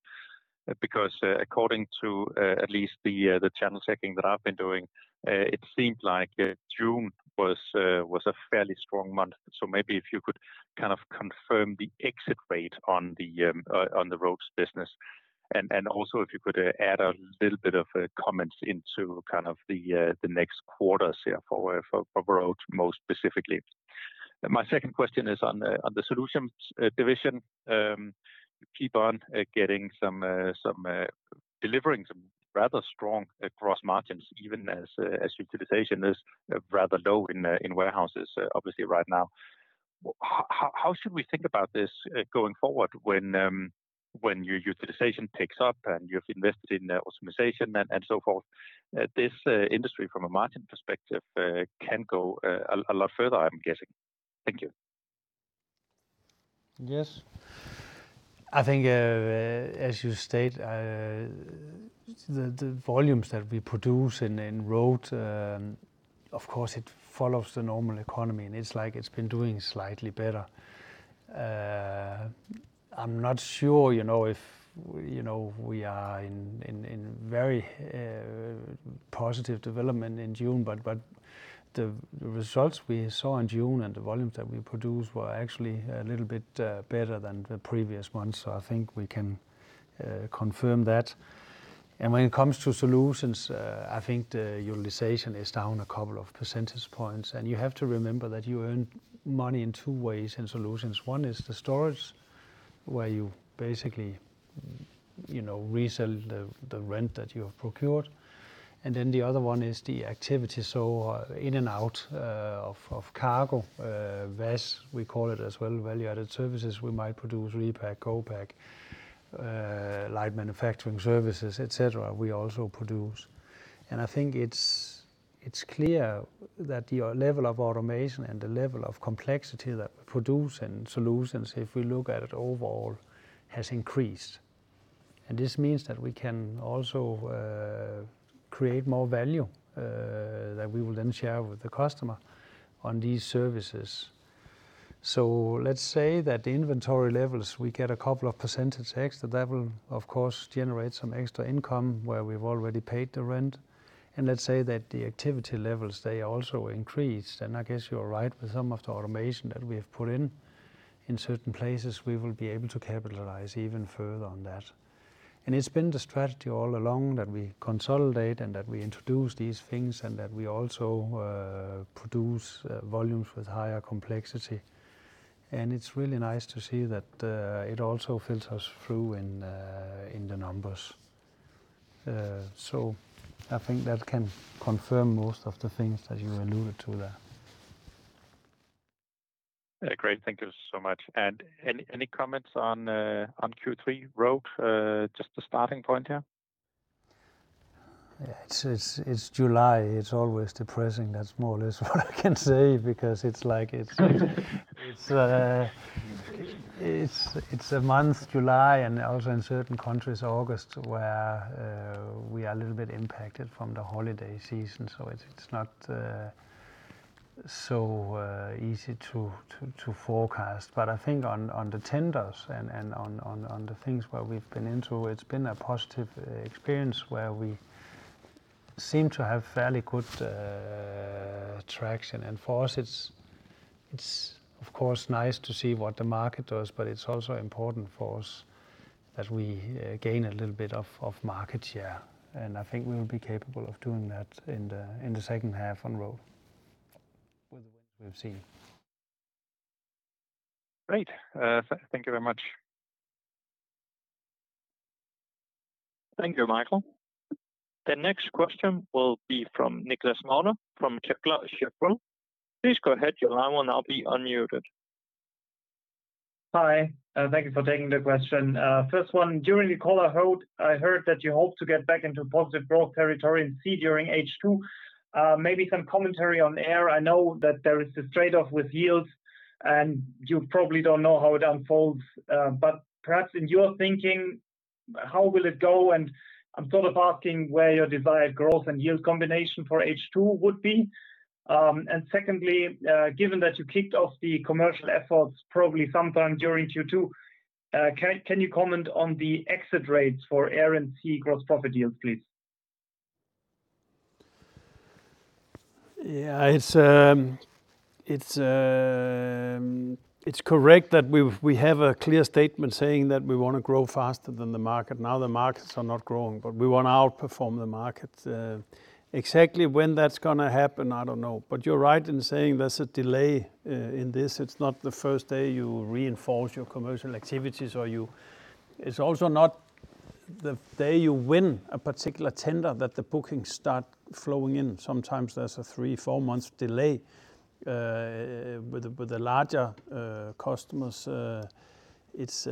According to at least the channel checking that I've been doing, it seemed like June was a fairly strong month. Maybe if you could kind of confirm the exit rate on the Road business, also if you could add a little bit of comments into kind of the next quarters here for Road, most specifically. My second question is on the Solutions division. You keep on getting some... Delivering some rather strong gross margins, even as utilization is rather low in warehouses, obviously right now. How should we think about this going forward when your utilization picks up and you've invested in optimization and so forth? This industry from a margin perspective can go a lot further, I'm guessing. Thank you. Yes. I think, as you state, the volumes that we produce in Road, of course, it follows the normal economy, and it's like it's been doing slightly better. I'm not sure, you know, if, you know, we are in, in very, positive development in June, but the results we saw in June and the volumes that we produced were actually a little bit, better than the previous months. I think we can, confirm that. When it comes to Solutions, I think the utilization is down a couple of percentage points. You have to remember that you earn money in two ways in Solutions. One is the storage, where you basically, you know, resell the rent that you have procured, and then the other one is the activity. In and out of cargo, VAS, we call it, as well, value-added services. We might produce repack, go-back, light manufacturing services, et cetera, we also produce. I think it's clear that the level of automation and the level of complexity that produce and Solutions, if we look at it overall, has increased. This means that we can also create more value that we will then share with the customer on these services. Let's say that the inventory levels, we get a couple of percentage extra. That will, of course, generate some extra income where we've already paid the rent. Let's say that the activity levels, they also increased, and I guess you're right, with some of the automation that we have put in certain places, we will be able to capitalize even further on that. It's been the strategy all along that we consolidate and that we introduce these things, and that we also produce volumes with higher complexity. It's really nice to see that it also filters through in the numbers. I think that can confirm most of the things that you alluded to there. Great. Thank you so much. Any comments on Q3 Road? Just the starting point here. Yeah, it's July. It's always depressing. That's more or less what I can say, because it's like. It's a month, July, and also in certain countries, August, where we are a little bit impacted from the holiday season. It's not so easy to forecast. I think on the tenders and on the things where we've been into, it's been a positive experience where we seem to have fairly good traction. For us, it's of course nice to see what the market does, but it's also important for us that we gain a little bit of market share, and I think we will be capable of doing that in the second half on Road with the wins we've seen. Great. Thank you very much. Thank you, Michael. The next question will be from Nikolas Mauder from Kepler Cheuvreux. Please go ahead, your line will now be unmuted. Hi, thank you for taking the question. First one, during the call, I heard that you hope to get back into positive growth territory and see during H2, maybe some commentary on air. I know that there is a trade-off with yields, and you probably don't know how it unfolds, but perhaps in your thinking, how will it go? I'm sort of asking where your desired growth and yield combination for H2 would be. Secondly, given that you kicked off the commercial efforts probably sometime during Q2, can you comment on the exit rates for air and sea gross profit deals, please? Yeah, it's correct that we have a clear statement saying that we want to grow faster than the market. The markets are not growing, but we want to outperform the market. Exactly when that's going to happen, I don't know. You're right in saying there's a delay, in this. It's not the first day you reinforce your commercial activities or you... It's also not the day you win a particular tender, that the bookings start flowing in. Sometimes there's a three, four months delay, with the larger, customers. It's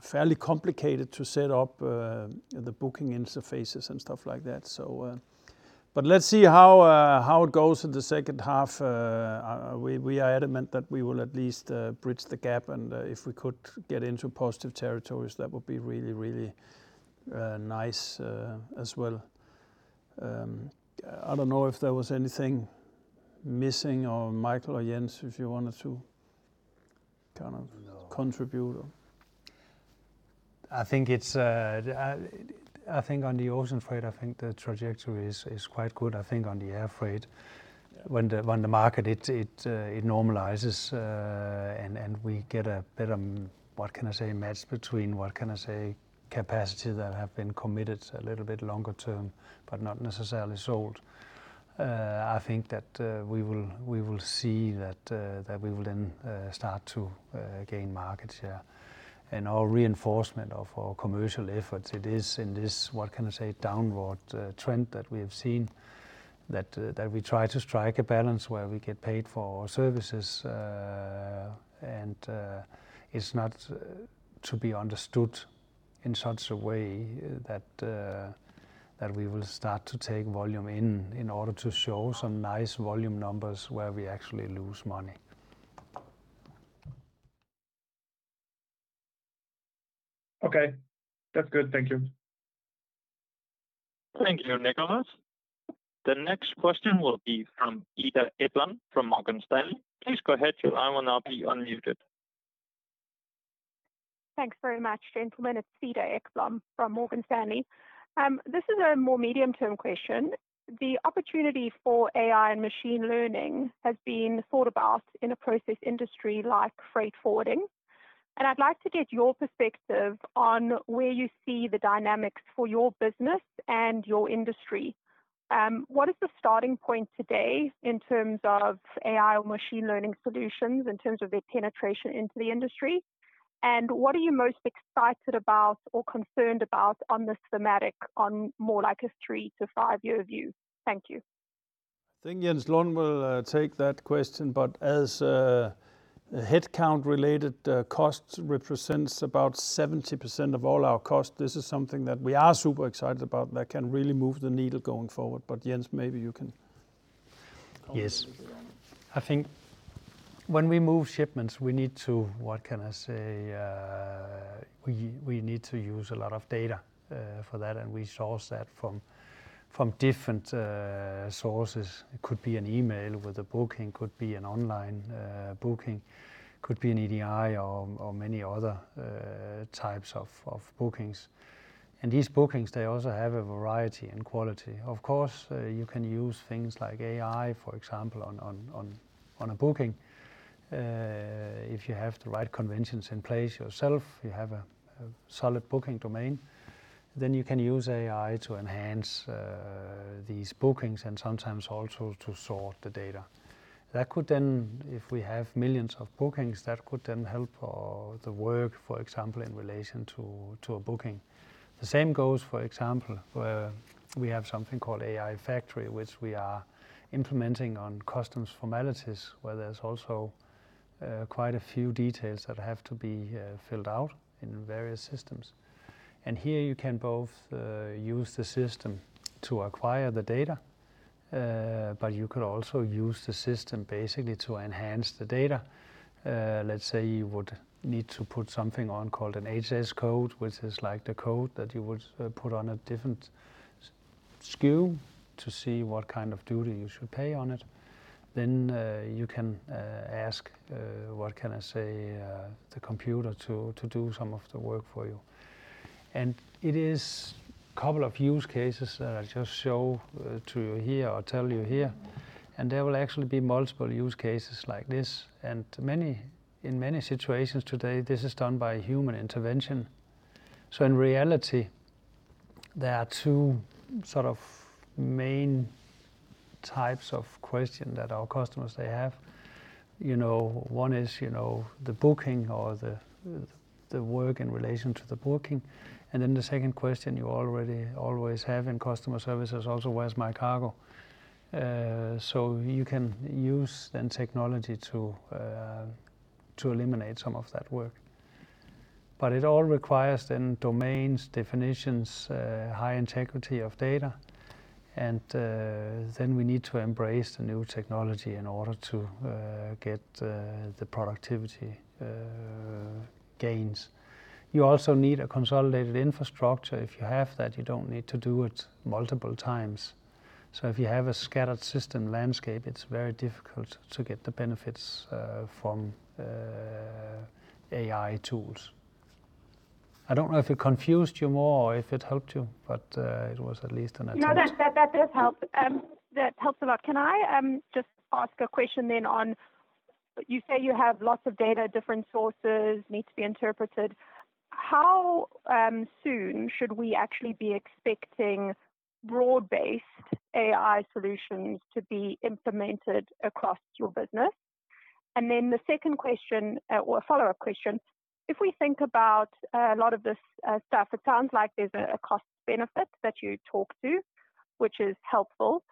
fairly complicated to set up, the booking interfaces and stuff like that, so... Let's see how it goes in the second half. We are adamant that we will at least bridge the gap, and if we could get into positive territories, that would be really, really nice as well. I don't know if there was anything missing or Michael or Jens, if you wanted to. No contribute or? I think it's, I think on the ocean freight, I think the trajectory is quite good. I think on the air freight, when the market it normalizes, and we get a better, what can I say, match between, what can I say, capacity that have been committed a little bit longer term, but not necessarily sold. I think that we will see that we will then start to gain market share. Our reinforcement of our commercial efforts, it is in this, what can I say, downward trend that we have seen, that we try to strike a balance where we get paid for our services. It's not to be understood in such a way that we will start to take volume in order to show some nice volume numbers, where we actually lose money. Okay, that's good. Thank you. Thank you, Nicholas. The next question will be from Cedar Ekblom, from Morgan Stanley. Please go ahead, your line will now be unmuted. Thanks very much, gentlemen. It's Cedar Ekblom from Morgan Stanley. This is a more medium-term question. The opportunity for AI and machine learning has been thought about in a process industry like freight forwarding, and I'd like to get your perspective on where you see the dynamics for your business and your industry. What is the starting point today in terms of AI or machine learning solutions, in terms of their penetration into the industry? What are you most excited about or concerned about on this thematic on more like a three to five-year view? Thank you. I think Jens Lund will take that question, but as headcount related costs represents about 70% of all our costs, this is something that we are super excited about, that can really move the needle going forward. Jens, maybe you can. Yes. I think when we move shipments, we need to, what can I say? We need to use a lot of data for that, and we source that from different sources. It could be an email with a booking, could be an online booking, could be an EDI or many other types of bookings. These bookings, they also have a variety and quality. Of course, you can use things like AI, for example, on a booking. If you have the right conventions in place yourself, you have a solid booking domain, then you can use AI to enhance these bookings and sometimes also to sort the data. That could then, if we have millions of bookings, that could then help the work, for example, in relation to a booking. The same goes, for example, where we have something called AI Factory, which we are implementing on customs formalities, where there's also quite a few details that have to be filled out in various systems. Here you can both use the system to acquire the data, but you could also use the system basically to enhance the data. Let's say you would need to put something on called an HS code, which is like the code that you would put on a SKU to see what kind of duty you should pay on it, then you can ask what can I say, the computer to do some of the work for you. It is couple of use cases that I just show to you here or tell you here. There will actually be multiple use cases like this. Many in many situations today, this is done by human intervention. In reality, there are two sort of main types of question that our customers they have. You know, one is, you know, the booking or the work in relation to the booking. Then the second question you already always have in customer service is also, "Where's my cargo?" So you can use then technology to eliminate some of that work. It all requires then domains, definitions, high integrity of data, and then we need to embrace the new technology in order to get the productivity gains. You also need a consolidated infrastructure. If you have that, you don't need to do it multiple times. If you have a scattered system landscape, it's very difficult to get the benefits from AI tools. I don't know if it confused you more or if it helped you, but it was at least an attempt. No, that does help. That helps a lot. Can I just ask a question then on... You say you have lots of data, different sources, need to be interpreted. How soon should we actually be expecting broad-based AI solutions to be implemented across your business? The second question, or follow-up question: if we think about a lot of this stuff, it sounds like there's a cost benefit that you talked to, which is helpful.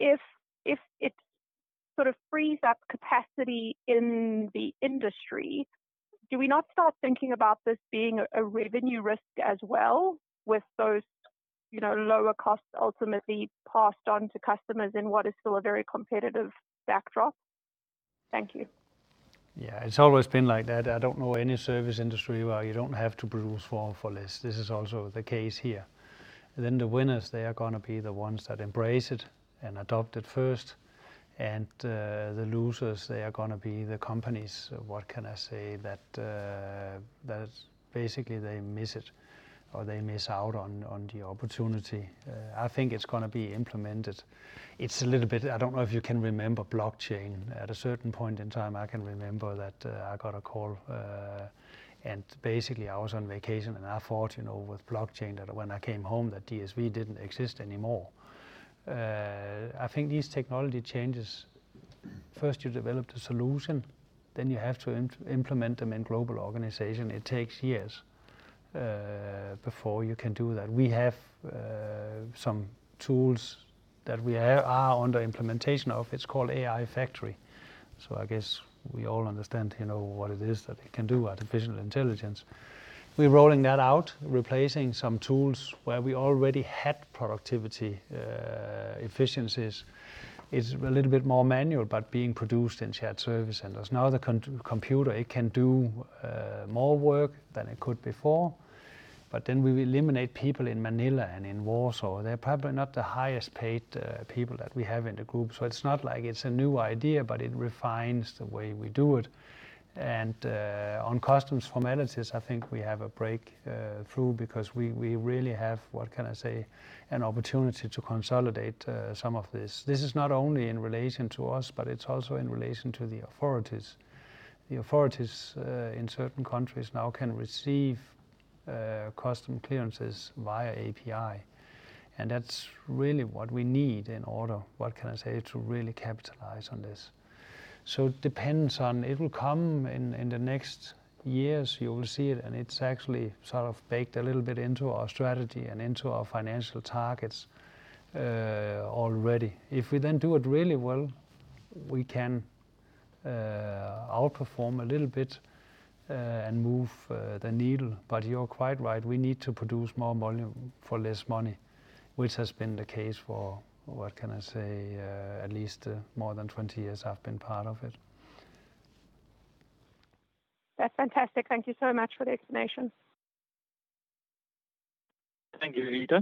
If it sort of frees up capacity in the industry, do we not start thinking about this being a revenue risk as well, with those, you know, lower costs ultimately passed on to customers in what is still a very competitive backdrop? Thank you. Yeah, it's always been like that. I don't know any service industry where you don't have to produce more for less. This is also the case here. The winners, they are gonna be the ones that embrace it and adopt it first, and the losers, they are gonna be the companies, what can I say, that basically they miss it or they miss out on the opportunity. I think it's gonna be implemented. It's a little bit I don't know if you can remember blockchain. At a certain point in time, I can remember that I got a call, and basically, I was on vacation, and I thought, you know, with blockchain, that when I came home, that DSV didn't exist anymore. I think these technology changes, first, you develop the solution, then you have to implement them in global organization. It takes years before you can do that. We have some tools that we are under implementation of, it's called AI Factory. I guess we all understand, you know, what it is that it can do, artificial intelligence. We're rolling that out, replacing some tools where we already had productivity efficiencies. It's a little bit more manual, but being produced in shared service centers. Now, the computer, it can do more work than it could before, but then we eliminate people in Manila and in Warsaw. They're probably not the highest-paid people that we have in the group. It's not like it's a new idea, but it refines the way we do it. On customs formalities, I think we have a breakthrough because we really have, what can I say, an opportunity to consolidate some of this. This is not only in relation to us, but it's also in relation to the authorities. The authorities in certain countries now can receive custom clearances via API, and that's really what we need in order, what can I say, to really capitalize on this. It will come in the next years, you will see it, and it's actually sort of baked a little bit into our strategy and into our financial targets already. If we do it really well, we can outperform a little bit and move the needle. You're quite right, we need to produce more volume for less money, which has been the case for, what can I say, at least, more than 20 years I've been part of it. That's fantastic. Thank you so much for the explanation. Thank you, Cedar.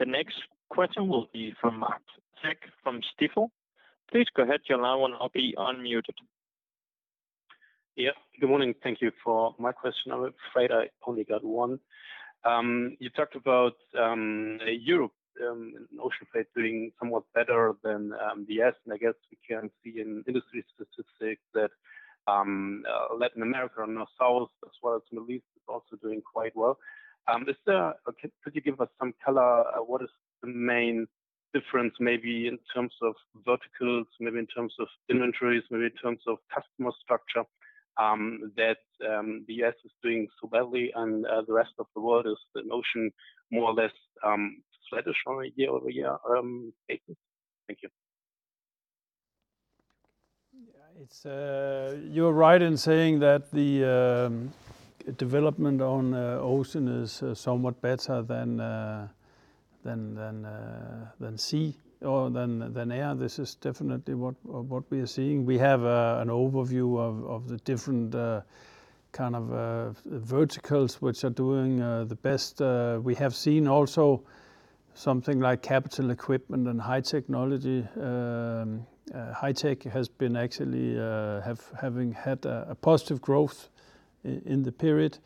The next question will be from Marc Zeck from Stifel. Please go ahead. Your line will now be unmuted. Yeah, good morning. Thank you for my question. I'm afraid I only got one. You talked about Europe and Ocean freight doing somewhat better than the others, and I guess we can see in industry statistics that Latin America or North-South, as well as Middle East, is also doing quite well. Could you give us some color, what is the main difference, maybe in terms of verticals, maybe in terms of inventories, maybe in terms of customer structure, that DSV is doing so well, and the rest of the world is the Ocean more or less sluggish from year-over-year basis? Thank you. Yeah. It's you're right in saying that the development on ocean is somewhat better than sea or than air. This is definitely what we are seeing. We have an overview of the different kind of verticals which are doing the best. We have seen also something like capital equipment and high technology. High tech has been actually having had a positive growth in the period.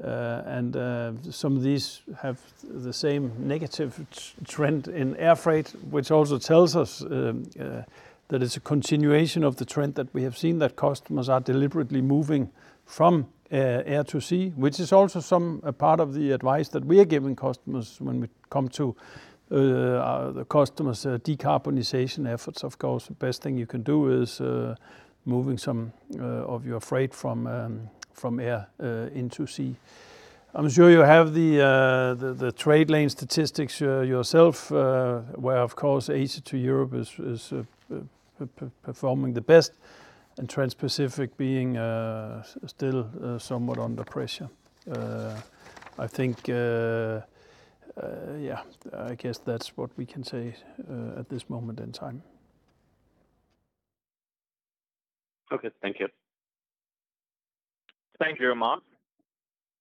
Some of these have the same negative trend in air freight, which also tells us that it's a continuation of the trend that we have seen, that customers are deliberately moving from air to sea, which is also some, a part of the advice that we are giving customers when we come to the customers' decarbonization efforts. Of course, the best thing you can do is moving some of your freight from air into sea. I'm sure you have the, the trade lane statistics, yourself, where, of course, Asia to Europe is performing the best, and Transpacific being, still, somewhat under pressure. I think, yeah, I guess that's what we can say, at this moment in time. Okay. Thank you. Thank you, Marc.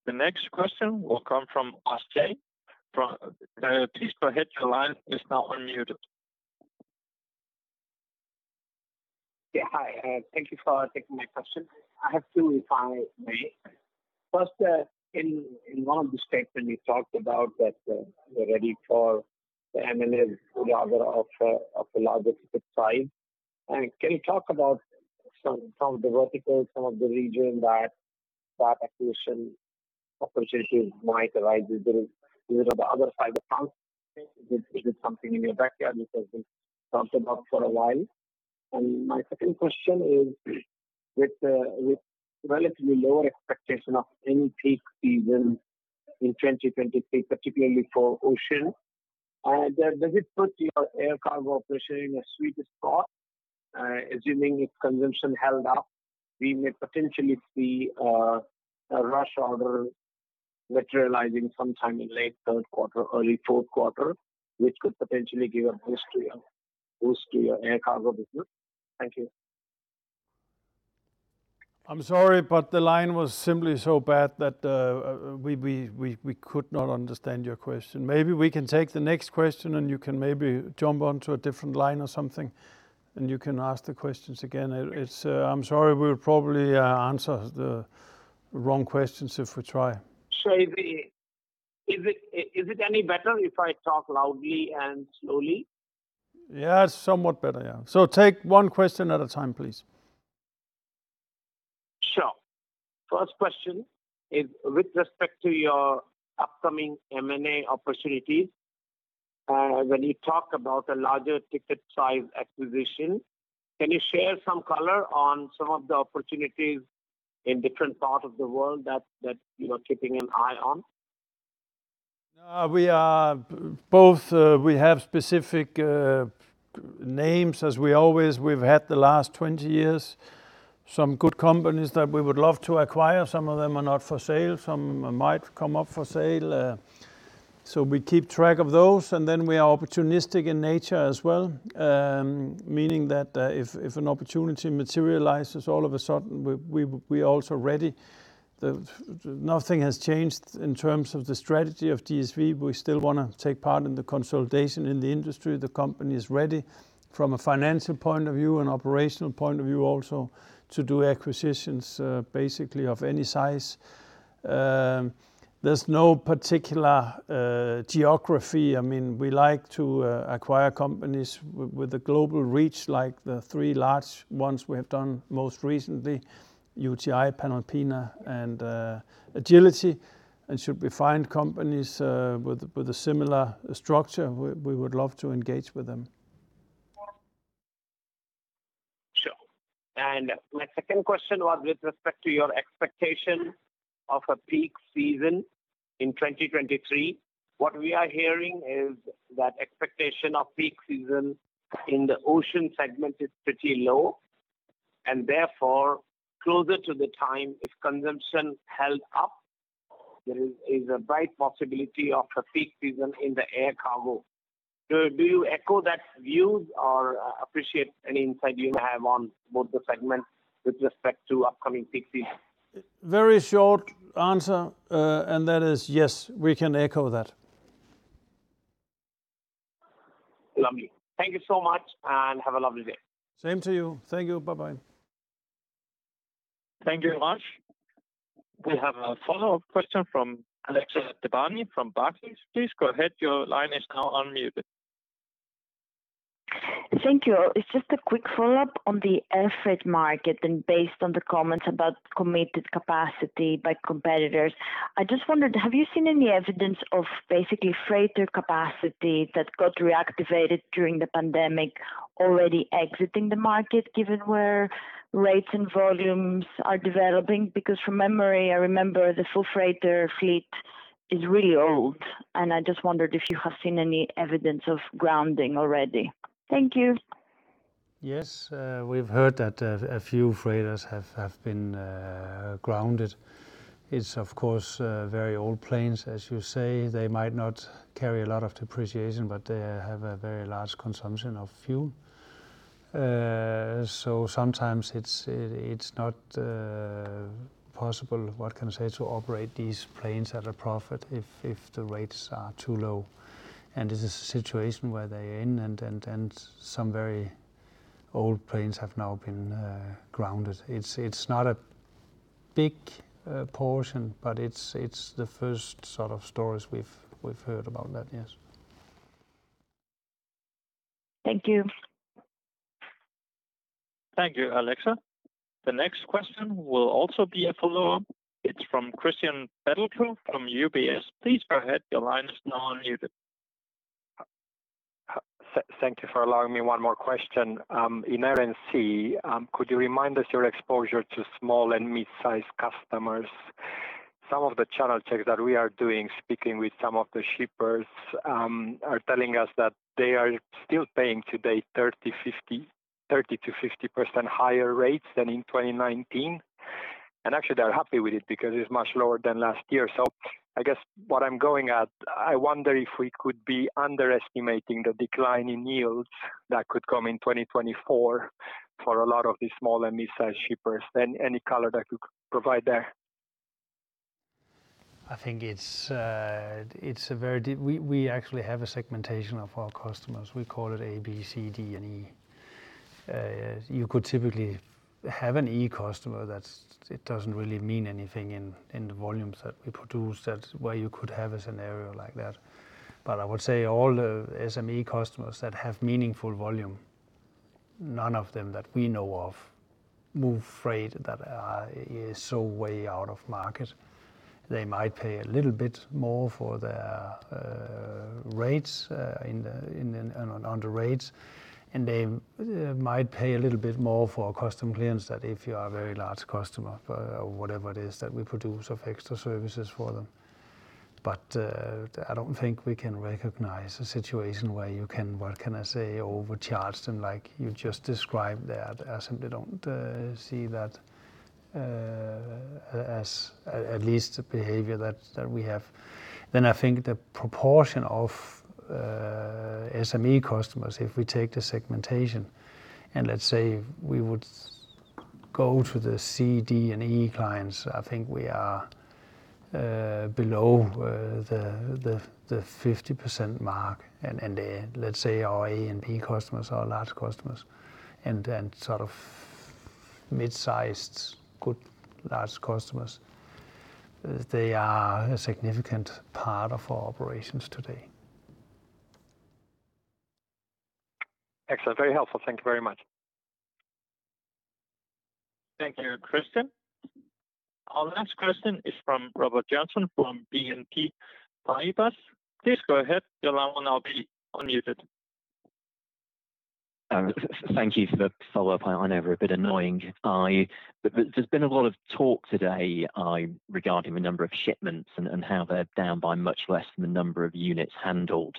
The next question will come from [Asjay] from... please go ahead. Your line is now unmuted. Yeah, hi, thank you for taking my question. I have two, if I may. First, in one of the statement, you talked about that, you're ready for the M&A rather of a larger ticket size. Can you talk about some of the verticals, some of the region that acquisition opportunities might arise with on the other side of town? Is it something in your backyard, which has been talked about for a while? My second question is, with relatively lower expectation of any peak season in 2023, particularly for ocean, does it put your air cargo operation in a sweetest spot? Assuming its consumption held up, we may potentially see a rush order materializing sometime in late third quarter, early fourth quarter, which could potentially give a boost to your air cargo business. Thank you. I'm sorry. The line was simply so bad that we could not understand your question. Maybe we can take the next question. You can maybe jump onto a different line or something. You can ask the questions again. It's. I'm sorry, we'll probably answer the wrong questions if we try. Is it any better if I talk loudly and slowly? Yeah, it's somewhat better. Yeah. Take one question at a time, please. Sure. First question is with respect to your upcoming M&A opportunities. When you talk about a larger ticket size acquisition, can you share some color on some of the opportunities in different parts of the world that you are keeping an eye on? We are both, we have specific names, as we always we've had the last 20 years. Some good companies that we would love to acquire. Some of them are not for sale, some might come up for sale, so we keep track of those, and then we are opportunistic in nature as well, meaning that, if an opportunity materializes all of a sudden, we're also ready. Nothing has changed in terms of the strategy of DSV. We still wanna take part in the consolidation in the industry. The company is ready from a financial point of view and operational point of view also, to do acquisitions, basically of any size. There's no particular geography. I mean, we like to acquire companies with a global reach, like the three large ones we have done most recently, UTi, Panalpina, and Agility. Should we find companies with a similar structure, we would love to engage with them. Sure. My second question was with respect to your expectation of a peak season in 2023. What we are hearing is that expectation of peak season in the ocean segment is pretty low, and therefore, closer to the time, if consumption held up, there is a bright possibility of a peak season in the air cargo. Do you echo that view or appreciate any insight you may have on both the segments with respect to upcoming peak season? Very short answer, and that is, yes, we can echo that. Lovely. Thank you so much, and have a lovely day. Same to you. Thank you. Bye-bye. Thank you very much. We have a follow-up question from Alexia Dogani from Barclays. Please go ahead. Your line is now unmuted. Thank you. It's just a quick follow-up on the air freight market, based on the comments about committed capacity by competitors. I just wondered, have you seen any evidence of basically freighter capacity that got reactivated during the pandemic already exiting the market, given where rates and volumes are developing? From memory, I remember the full freighter fleet is really old. I just wondered if you have seen any evidence of grounding already. Thank you. Yes, we've heard that a few freighters have been grounded. It's, of course, very old planes, as you say. They might not carry a lot of depreciation, but they have a very large consumption of fuel. Sometimes it's not possible, what can I say, to operate these planes at a profit if the rates are too low. This is a situation where they're in, and some very old planes have now been grounded. It's not a big portion, but it's the first sort of stories we've heard about that. Yes. Thank you. Thank you, Alexia. The next question will also be a follow-up. It's from Cristian Nedelcu from UBS. Please go ahead, your line is now unmuted. Thank you for allowing me one more question. In RNC, could you remind us your exposure to small and mid-sized customers? Some of the channel checks that we are doing, speaking with some of the shippers, are telling us that they are still paying today 30%, 50%, 30%-50% higher rates than in 2019. Actually, they're happy with it because it's much lower than last year. I guess what I'm going at, I wonder if we could be underestimating the decline in yields that could come in 2024 for a lot of these small and mid-sized shippers. Any, any color that you could provide there? I think it's a very we actually have a segmentation of our customers. We call it A, B, C, D, and E. You could typically have an E customer it doesn't really mean anything in the volumes that we produce. That's why you could have a scenario like that. I would say all the SME customers that have meaningful volume, none of them that we know of, move freight that is so way out of market. They might pay a little bit more for their rates, on the rates. They might pay a little bit more for our customs clearance than if you are a very large customer for whatever it is that we produce of extra services for them. I don't think we can recognize a situation where you can, what can I say, overcharge them like you just described there. I simply don't see that as at least the behavior that we have. I think the proportion of SME customers, if we take the segmentation, and let's say we would go to the C, D, and E clients, I think we are below the 50% mark. Let's say our A and B customers are large customers and sort of mid-sized, good, large customers. They are a significant part of our operations today. Excellent. Very helpful. Thank you very much. Thank you, Cristian. Our last question is from Robert Joynson, from BNP Paribas. Please go ahead, your line will now be unmuted. Thank you for the follow-up. I know we're a bit annoying. There's been a lot of talk today, regarding the number of shipments and how they're down by much less than the number of units handled.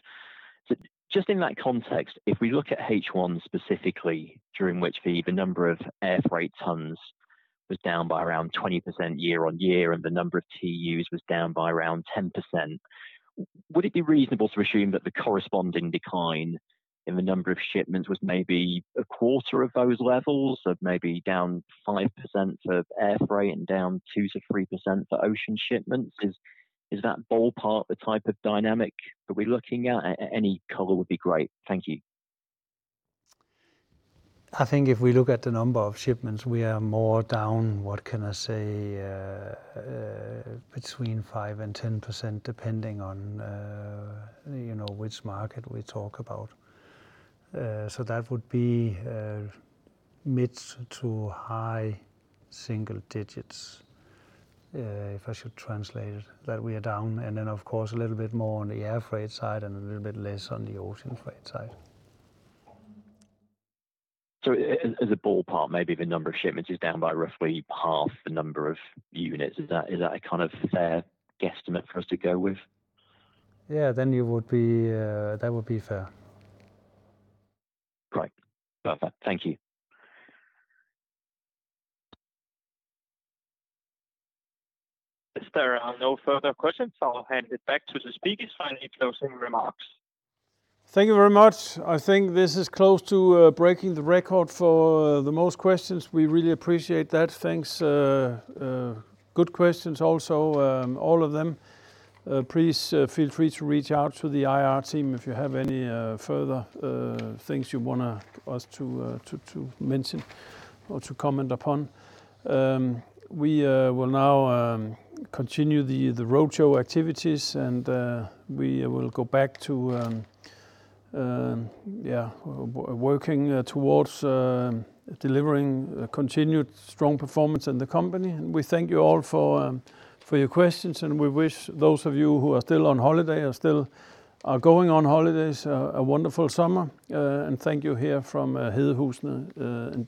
Just in that context, if we look at H1 specifically, during which the number of air freight tons was down by around 20% year-on-year, and the number of TUs was down by around 10%, would it be reasonable to assume that the corresponding decline in the number of shipments was maybe a quarter of those levels, of maybe down 5% for air freight and down 2%-3% for ocean shipments? Is that ballpark the type of dynamic that we're looking at? any color would be great. Thank you. I think if we look at the number of shipments, we are more down, what can I say, between 5% and 10%, depending on, you know, which market we talk about. So that would be mid to high single digits, if I should translate it, that we are down. Of course, a little bit more on the air freight side and a little bit less on the ocean freight side. As a ballpark, maybe the number of shipments is down by roughly half the number of units. Is that a kind of fair guesstimate for us to go with? Yeah. You would be... That would be fair. Great. Perfect. Thank you. If there are no further questions, I'll hand it back to the speakers for any closing remarks. Thank you very much. I think this is close to breaking the record for the most questions. We really appreciate that. Thanks, good questions, also, all of them. Please, feel free to reach out to the IR team if you have any further things you want us to mention or to comment upon. We will now continue the roadshow activities, and we will go back to yeah, working towards delivering a continued strong performance in the company. We thank you all for your questions, and we wish those of you who are still on holiday or still are going on holidays, a wonderful summer. Thank you here from Hedehusene, Denmark.